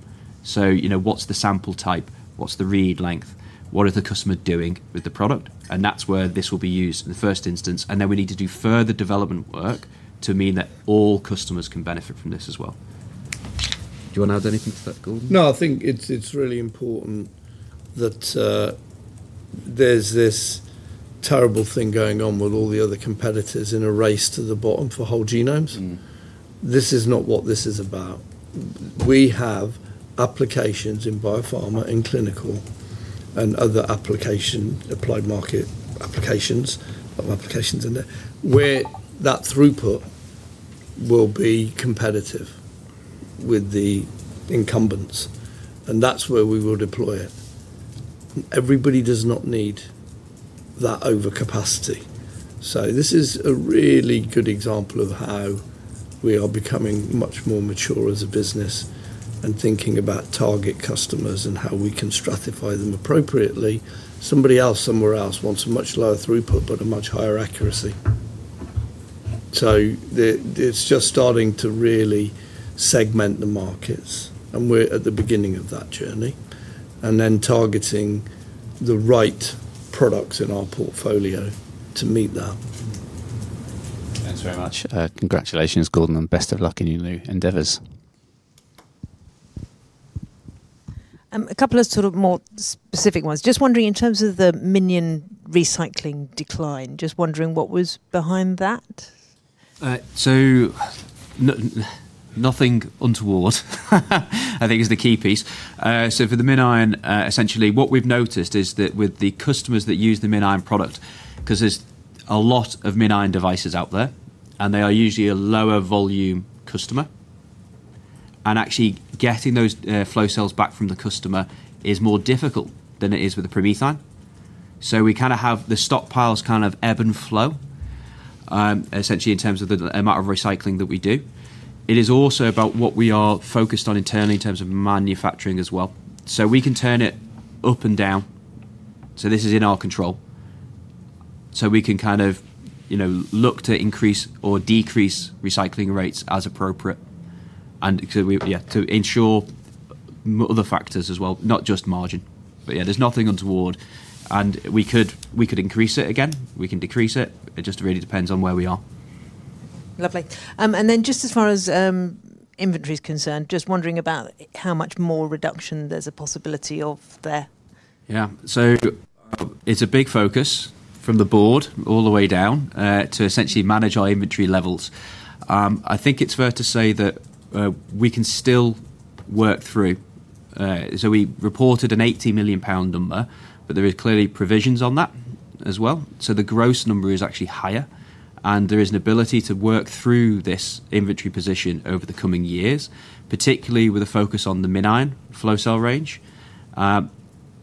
You know, what's the sample type? What's the read length? What is the customer doing with the product? That's where this will be used in the first instance, and then we need to do further development work to mean that all customers can benefit from this as well. Do you wanna add anything to that, Gordon? I think it's really important that there's this terrible thing going on with all the other competitors in a race to the bottom for whole genomes. Mm-hmm. This is not what this is about. We have applications in biopharma and clinical and other application, applied market applications in there, where that throughput will be competitive with the incumbents, and that's where we will deploy it. Everybody does not need that overcapacity. This is a really good example of how we are becoming much more mature as a business and thinking about target customers and how we can stratify them appropriately. Somebody else somewhere else wants a much lower throughput but a much higher accuracy. It's just starting to really segment the markets, and we're at the beginning of that journey, and then targeting the right products in our portfolio to meet that. Thanks very much. Congratulations, Gordon, and best of luck in your new endeavors. A couple of sort of more specific ones. Just wondering in terms of the MinION recycling decline, what was behind that? Nothing untoward I think is the key piece. For the MinION, essentially, what we've noticed is that with the customers that use the MinION product, 'cause there's a lot of MinION devices out there, and they are usually a lower volume customer. Actually getting those flow cells back from the customer is more difficult than it is with a PromethION. We kinda have the stockpiles kind of ebb and flow, essentially in terms of the amount of recycling that we do. It is also about what we are focused on internally in terms of manufacturing as well. We can turn it up and down. This is in our control. We can kind of, you know, look to increase or decrease recycling rates as appropriate. To ensure other factors as well, not just margin. Yeah, there's nothing untoward and we could increase it again. We can decrease it. It just really depends on where we are. Lovely. Just as far as inventory is concerned, just wondering about how much more reduction there's a possibility of there. Yeah. It's a big focus from the board all the way down to essentially manage our inventory levels. I think it's fair to say that we can still work through. We reported a 80 million pound number, but there is clearly provisions on that as well. The gross number is actually higher, and there is an ability to work through this inventory position over the coming years, particularly with a focus on the MinION flow cell range,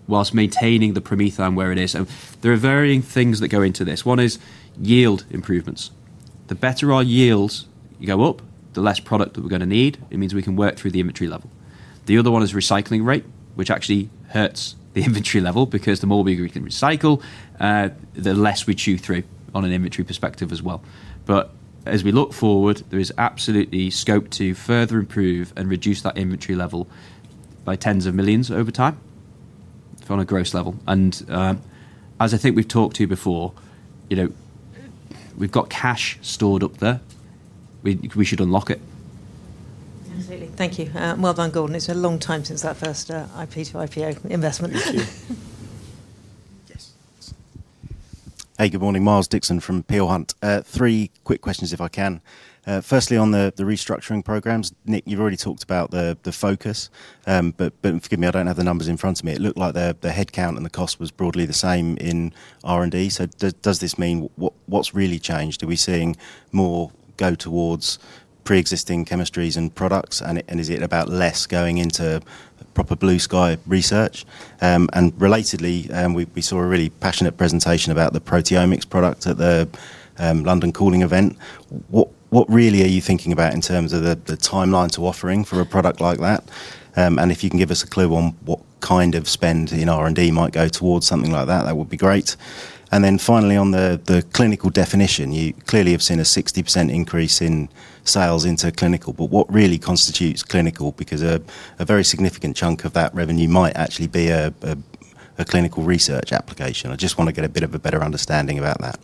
whilst maintaining the PromethION where it is. There are varying things that go into this. One is yield improvements. The better our yields go up, the less product that we're gonna need. It means we can work through the inventory level. The other one is recycling rate, which actually hurts the inventory level because the more we can recycle, the less we chew through on an inventory perspective as well. As we look forward, there is absolutely scope to further improve and reduce that inventory level by tens of millions GBP over time. From a gross level. As I think we've talked to you before, you know, we've got cash stored up there. We should unlock it. Absolutely. Thank you. Well done, Gordon. It's a long time since that first IP to IPO investment. Yes. Hey, good morning. Miles Dixon from Peel Hunt. Three quick questions if I can. Firstly on the restructuring programs. Nick, you've already talked about the focus, but forgive me, I don't have the numbers in front of me. It looked like the headcount and the cost was broadly the same in R&D. Does this mean what's really changed? Are we seeing more go towards pre-existing chemistries and products and is it about less going into proper blue sky research? Relatedly, we saw a really passionate presentation about the proteomics product at the London Calling event. What really are you thinking about in terms of the timeline to offering for a product like that? If you can give us a clue on what kind of spend in R&D might go towards something like that would be great. Finally, on the clinical definition. You clearly have seen a 60% increase in sales into clinical. What really constitutes clinical? Because a very significant chunk of that revenue might actually be a clinical research application. I just wanna get a bit of a better understanding about that.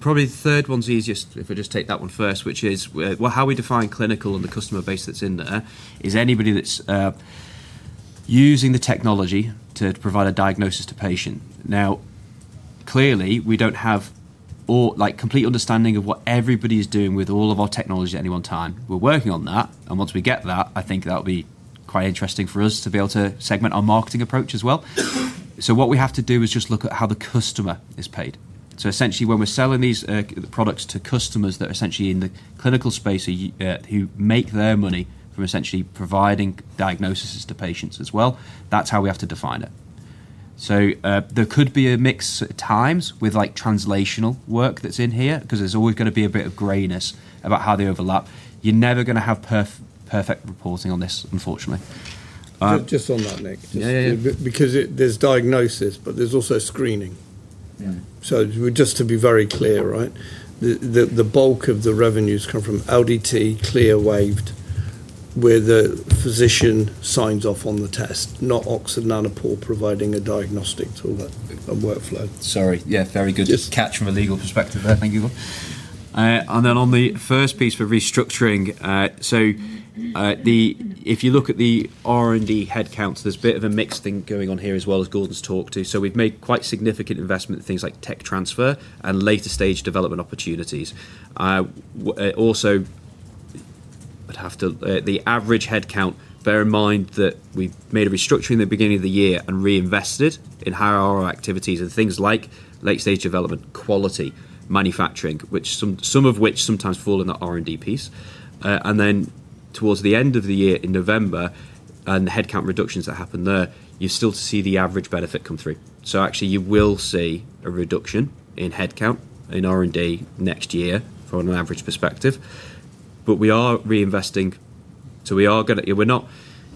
Probably the third one's easiest, if I just take that one first, which is well, how we define clinical and the customer base that's in there is anybody that's using the technology to provide a diagnosis to patient. Clearly, we don't have all like complete understanding of what everybody's doing with all of our technology at any one time. We're working on that, and once we get that, I think that'll be quite interesting for us to be able to segment our marketing approach as well. What we have to do is just look at how the customer is paid. Essentially, when we're selling these products to customers that are essentially in the clinical space, who make their money from essentially providing diagnoses to patients as well, that's how we have to define it. There could be a mix at times with like translational work that's in here, 'cause there's always gonna be a bit of grayness about how they overlap. You're never gonna have perfect reporting on this, unfortunately. Just on that, Nick. Yeah, yeah. Just because there's diagnosis, but there's also screening. Yeah. Just to be very clear, right? The bulk of the revenues come from LDT CLIA-waived, where the physician signs off on the test, not Oxford Nanopore providing a diagnostic to all that workflow. Sorry. Yeah, very good. Just- Catch from a legal perspective there. Thank you, Gordon. On the first piece for restructuring. If you look at the R&D headcounts, there's a bit of a mixed thing going on here as well as Gordon's talked to. We've made quite significant investment in things like tech transfer and later stage development opportunities. Also, the average headcount, bear in mind that we made a restructuring the beginning of the year and reinvested in how are our activities and things like late-stage development, quality, manufacturing, which some of which sometimes fall in the R&D piece. Towards the end of the year in November, the headcount reductions that happened there, you still see the average benefit come through. Actually, you will see a reduction in headcount in R&D next year from an average perspective. We are reinvesting.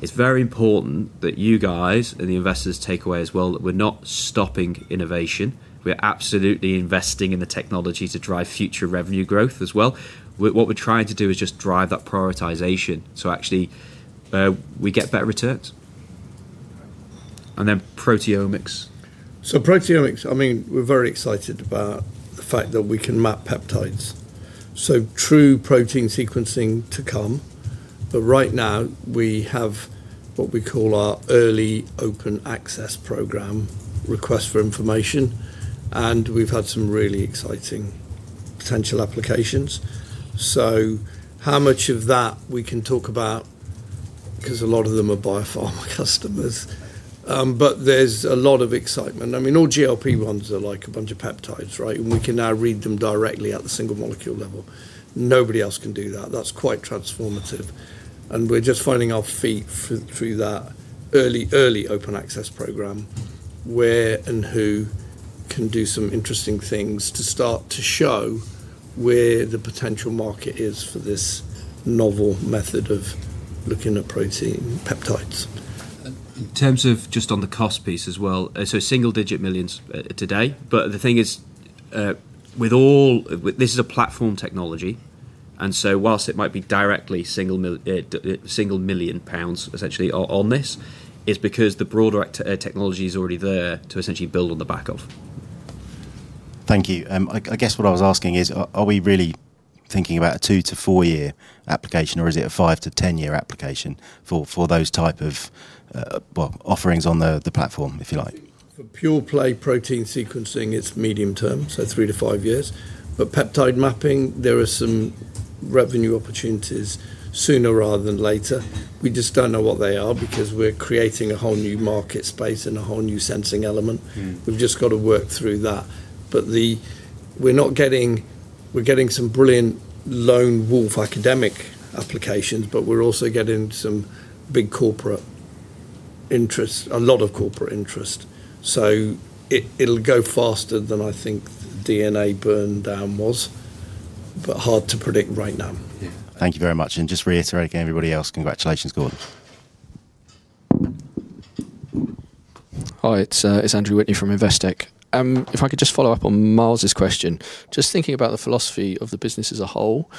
It's very important that you guys and the investors take away as well that we're not stopping innovation. We're absolutely investing in the technology to drive future revenue growth as well. What we're trying to do is just drive that prioritization, so actually we get better returns. Proteomics. Proteomics, I mean, we're very excited about the fact that we can map peptides. True protein sequencing to come. Right now we have what we call our Early Access Programme request for information, and we've had some really exciting potential applications. How much of that we can talk about, because a lot of them are biopharma customers. There's a lot of excitement. I mean, all GLP-1s are like a bunch of peptides, right? We can now read them directly at the single molecule level. Nobody else can do that. That's quite transformative. We're just finding our feet through that Early Access Programme, where and who can do some interesting things to start to show where the potential market is for this novel method of looking at protein peptides. In terms of just on the cost piece as well, so single-digit millions today. The thing is, with all... This is a platform technology, and so whilst it might be directly single 1 million pounds essentially on this, it's because the broader technology is already there to essentially build on the back of. Thank you. I guess what I was asking is, are we really thinking about a 2-4-year application or is it a 5-10-year application for those type of, well, offerings on the platform, if you like? For pure play protein sequencing, it's medium term, so 3-5 years. Peptide mapping, there are some revenue opportunities sooner rather than later. We just don't know what they are because we're creating a whole new market space and a whole new sensing element. Mm. We've just got to work through that. We're getting some brilliant lone wolf academic applications, but we're also getting some big corporate interest, a lot of corporate interest. It'll go faster than I think DNA burn down was, but hard to predict right now. Yeah. Thank you very much. Just reiterating everybody else, congratulations, Gordon. Hi, it's Andrew Whitney from Investec. If I could just follow up on Miles's question. Just thinking about the philosophy of the business as a whole,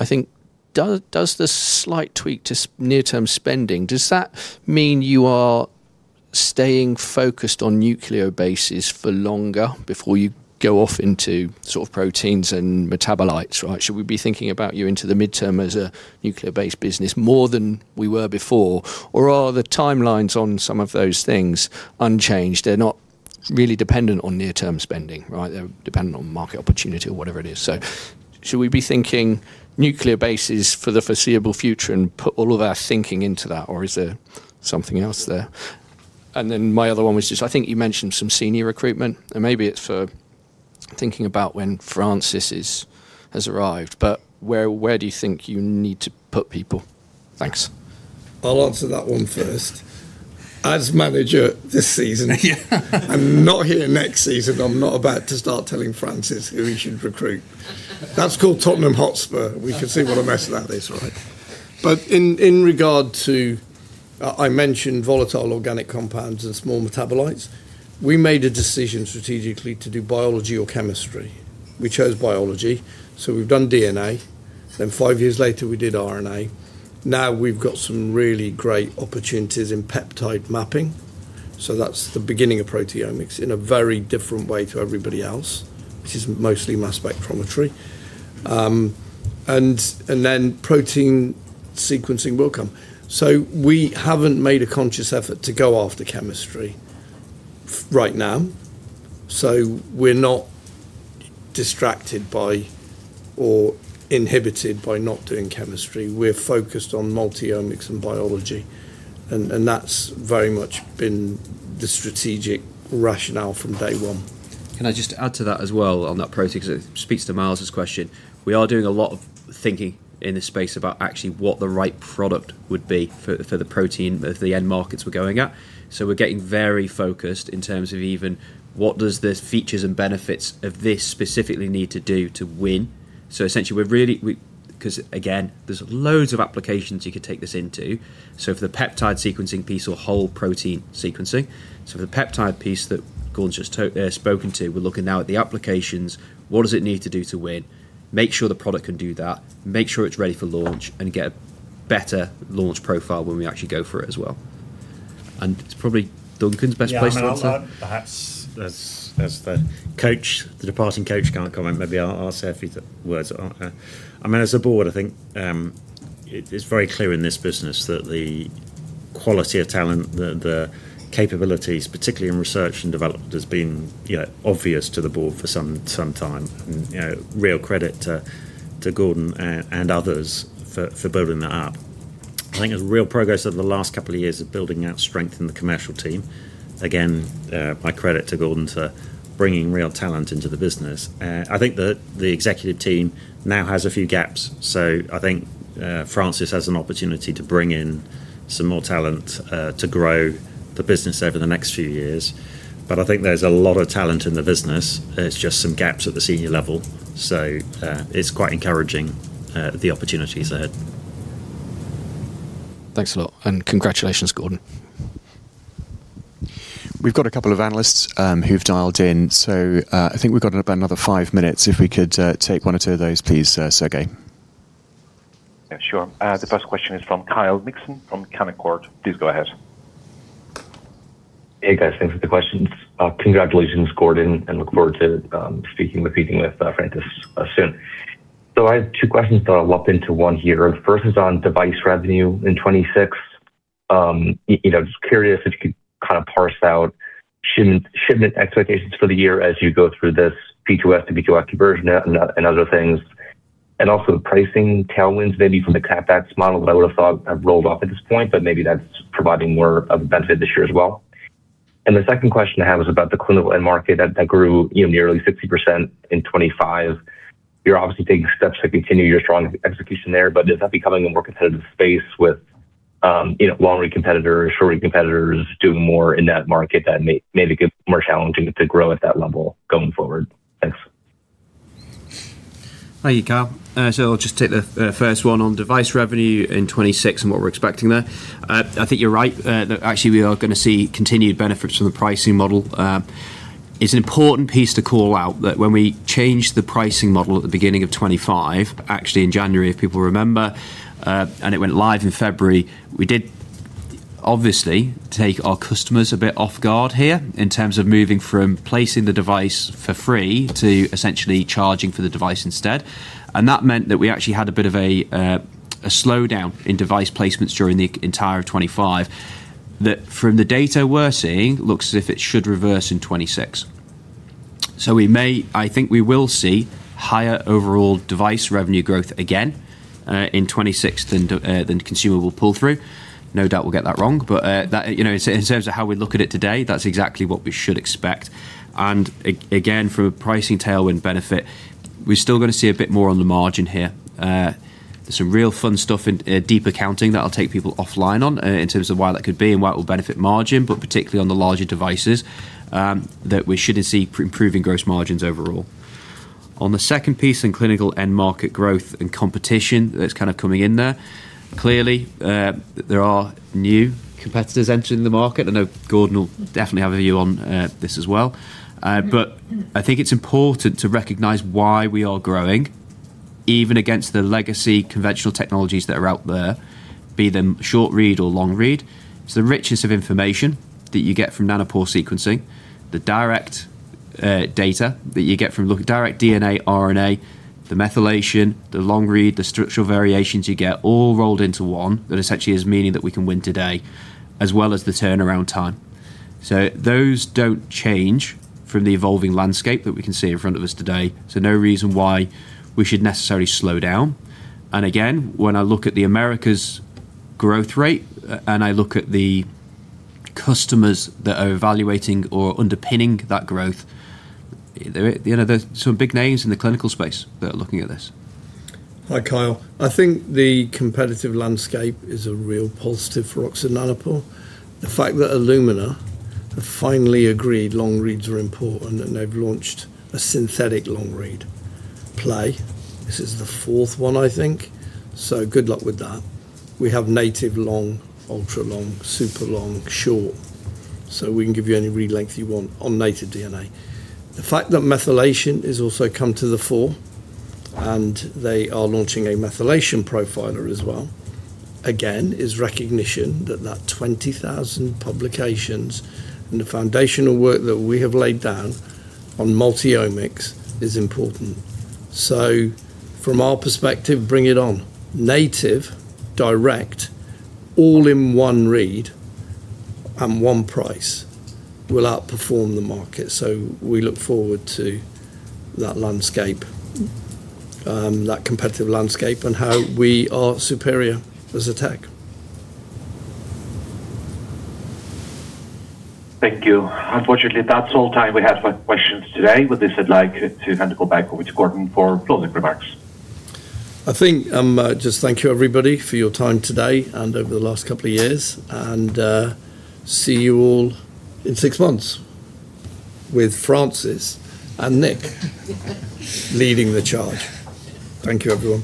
I think does the slight tweak to near-term spending, does that mean you are staying focused on nucleobases for longer before you go off into sort of proteins and metabolites, right? Should we be thinking about you into the midterm as a nucleobase-based business more than we were before? Or are the timelines on some of those things unchanged? They're not really dependent on near-term spending, right? They're dependent on market opportunity or whatever it is. Should we be thinking nucleobases for the foreseeable future and put all of our thinking into that? Or is there something else there? My other one was just, I think you mentioned some senior recruitment, and maybe it's for thinking about when Francis has arrived, but where do you think you need to put people? Thanks. I'll answer that one first. As manager this season, I'm not here next season, I'm not about to start telling Francis who he should recruit. That's called Tottenham Hotspur. We can see what a mess that is, right? In, in regard to, I mentioned volatile organic compounds and small metabolites. We made a decision strategically to do biology or chemistry. We chose biology, so we've done DNA. Then five years later, we did RNA. Now we've got some really great opportunities in peptide mapping, so that's the beginning of proteomics in a very different way to everybody else, which is mostly mass spectrometry. And then protein sequencing will come. We haven't made a conscious effort to go after chemistry right now. We're not distracted by or inhibited by not doing chemistry. We're focused on multi-omics and biology, and that's very much been the strategic rationale from day one. Can I just add to that as well on that protein? It speaks to Miles's question. We are doing a lot of thinking in this space about actually what the right product would be for the, for the protein that the end markets were going at. We're getting very focused in terms of even what does the features and benefits of this specifically need to do to win. Essentially, we 'cause again, there's loads of applications you could take this into. For the peptide sequencing piece or whole protein sequencing, so for the peptide piece that Gordon's just spoken to, we're looking now at the applications. What does it need to do to win? Make sure the product can do that, make sure it's ready for launch, and get a better launch profile when we actually go for it as well. It's probably Duncan's best place to answer. Yeah. I mean, I'll perhaps as the coach, the departing coach can't comment. Maybe I'll say a few words. I mean, as a board, I think it is very clear in this business that the quality of talent, the capabilities, particularly in R&D, has been, you know, obvious to the board for some time and, you know, real credit to Gordon and others for building that up. I think there's real progress over the last couple of years of building out strength in the commercial team. My credit to Gordon to bringing real talent into the business. I think the executive team now has a few gaps. I think Francis has an opportunity to bring in some more talent to grow the business over the next few years. I think there's a lot of talent in the business. There's just some gaps at the senior level. It's quite encouraging the opportunities ahead. Thanks a lot and congratulations, Gordon. We've got a couple of analysts who've dialed in. I think we've got about another five minutes if we could take one or two of those, please, Sergey. Yeah, sure. The first question is from Kyle Mikson from Canaccord. Please go ahead. Hey, guys. Thanks for the questions. Congratulations, Gordon, and look forward to meeting with Francis soon. I have two questions that I'll lump into one here. The first is on device revenue in 2026. You know, just curious if you could kinda parse out shipment expectations for the year as you go through this P2S to P2F conversion and other things. Also pricing tailwinds maybe from the CapEx model that I would've thought have rolled off at this point, but maybe that's providing more of a benefit this year as well. The second question I have is about the clinical end market that grew, you know, nearly 60% in 2025. You're obviously taking steps to continue your strong execution there, but is that becoming a more competitive space with, you know, long-read competitors, short-read competitors doing more in that market that may make it more challenging to grow at that level going forward? Thanks. Thank you, Kyle. I'll just take the first one on device revenue in 2026 and what we're expecting there. I think you're right that actually we are gonna see continued benefits from the pricing model. It's an important piece to call out that when we changed the pricing model at the beginning of 2025, actually in January, if people remember, and it went live in February, we did obviously take our customers a bit off guard here in terms of moving from placing the device for free to essentially charging for the device instead. That meant that we actually had a bit of a slowdown in device placements during the entire of 2025. That from the data we're seeing, looks as if it should reverse in 2026. I think we will see higher overall device revenue growth again, in 2026 than consumable pull-through. No doubt we'll get that wrong, but, you know, in terms of how we look at it today, that's exactly what we should expect. Again, from a pricing tailwind benefit, we're still gonna see a bit more on the margin here. There's some real fun stuff in deeper counting that I'll take people offline on in terms of why that could be and why it will benefit margin, but particularly on the larger devices, that we should see improving gross margins overall. On the second piece in clinical end market growth and competition that's kind of coming in there. Clearly, there are new competitors entering the market. I know Gordon will definitely have a view on this as well. I think it's important to recognize why we are growing even against the legacy conventional technologies that are out there, be them short read or long read. It's the richness of information that you get from Nanopore sequencing, the direct data that you get from direct DNA, RNA, the methylation, the long read, the structural variations you get all rolled into one that essentially is meaning that we can win today, as well as the turnaround time. Those don't change from the evolving landscape that we can see in front of us today, so no reason why we should necessarily slow down. Again, when I look at the Americas growth rate and I look at the customers that are evaluating or underpinning that growth, they you know, there's some big names in the clinical space that are looking at this. Hi, Kyle. I think the competitive landscape is a real positive for Oxford Nanopore. The fact that Illumina have finally agreed long reads are important, and they've launched a synthetic long read play. This is the fourth one, I think. Good luck with that. We have native long, ultra long, super long, short, so we can give you any read length you want on native DNA. The fact that methylation has also come to the fore, and they are launching a methylation profiler as well, again, is recognition that that 20,000 publications and the foundational work that we have laid down on multi-omics is important. From our perspective, bring it on. Native, direct, all in one read and one price will outperform the market. We look forward to that landscape, that competitive landscape and how we are superior as a tech. Thank you. Unfortunately, that's all time we have for questions today. With this, I'd like to hand it back over to Gordon for closing remarks. I think, just thank you, everybody, for your time today and over the last couple of years. See you all in six months with Francis and Nick leading the charge. Thank you, everyone.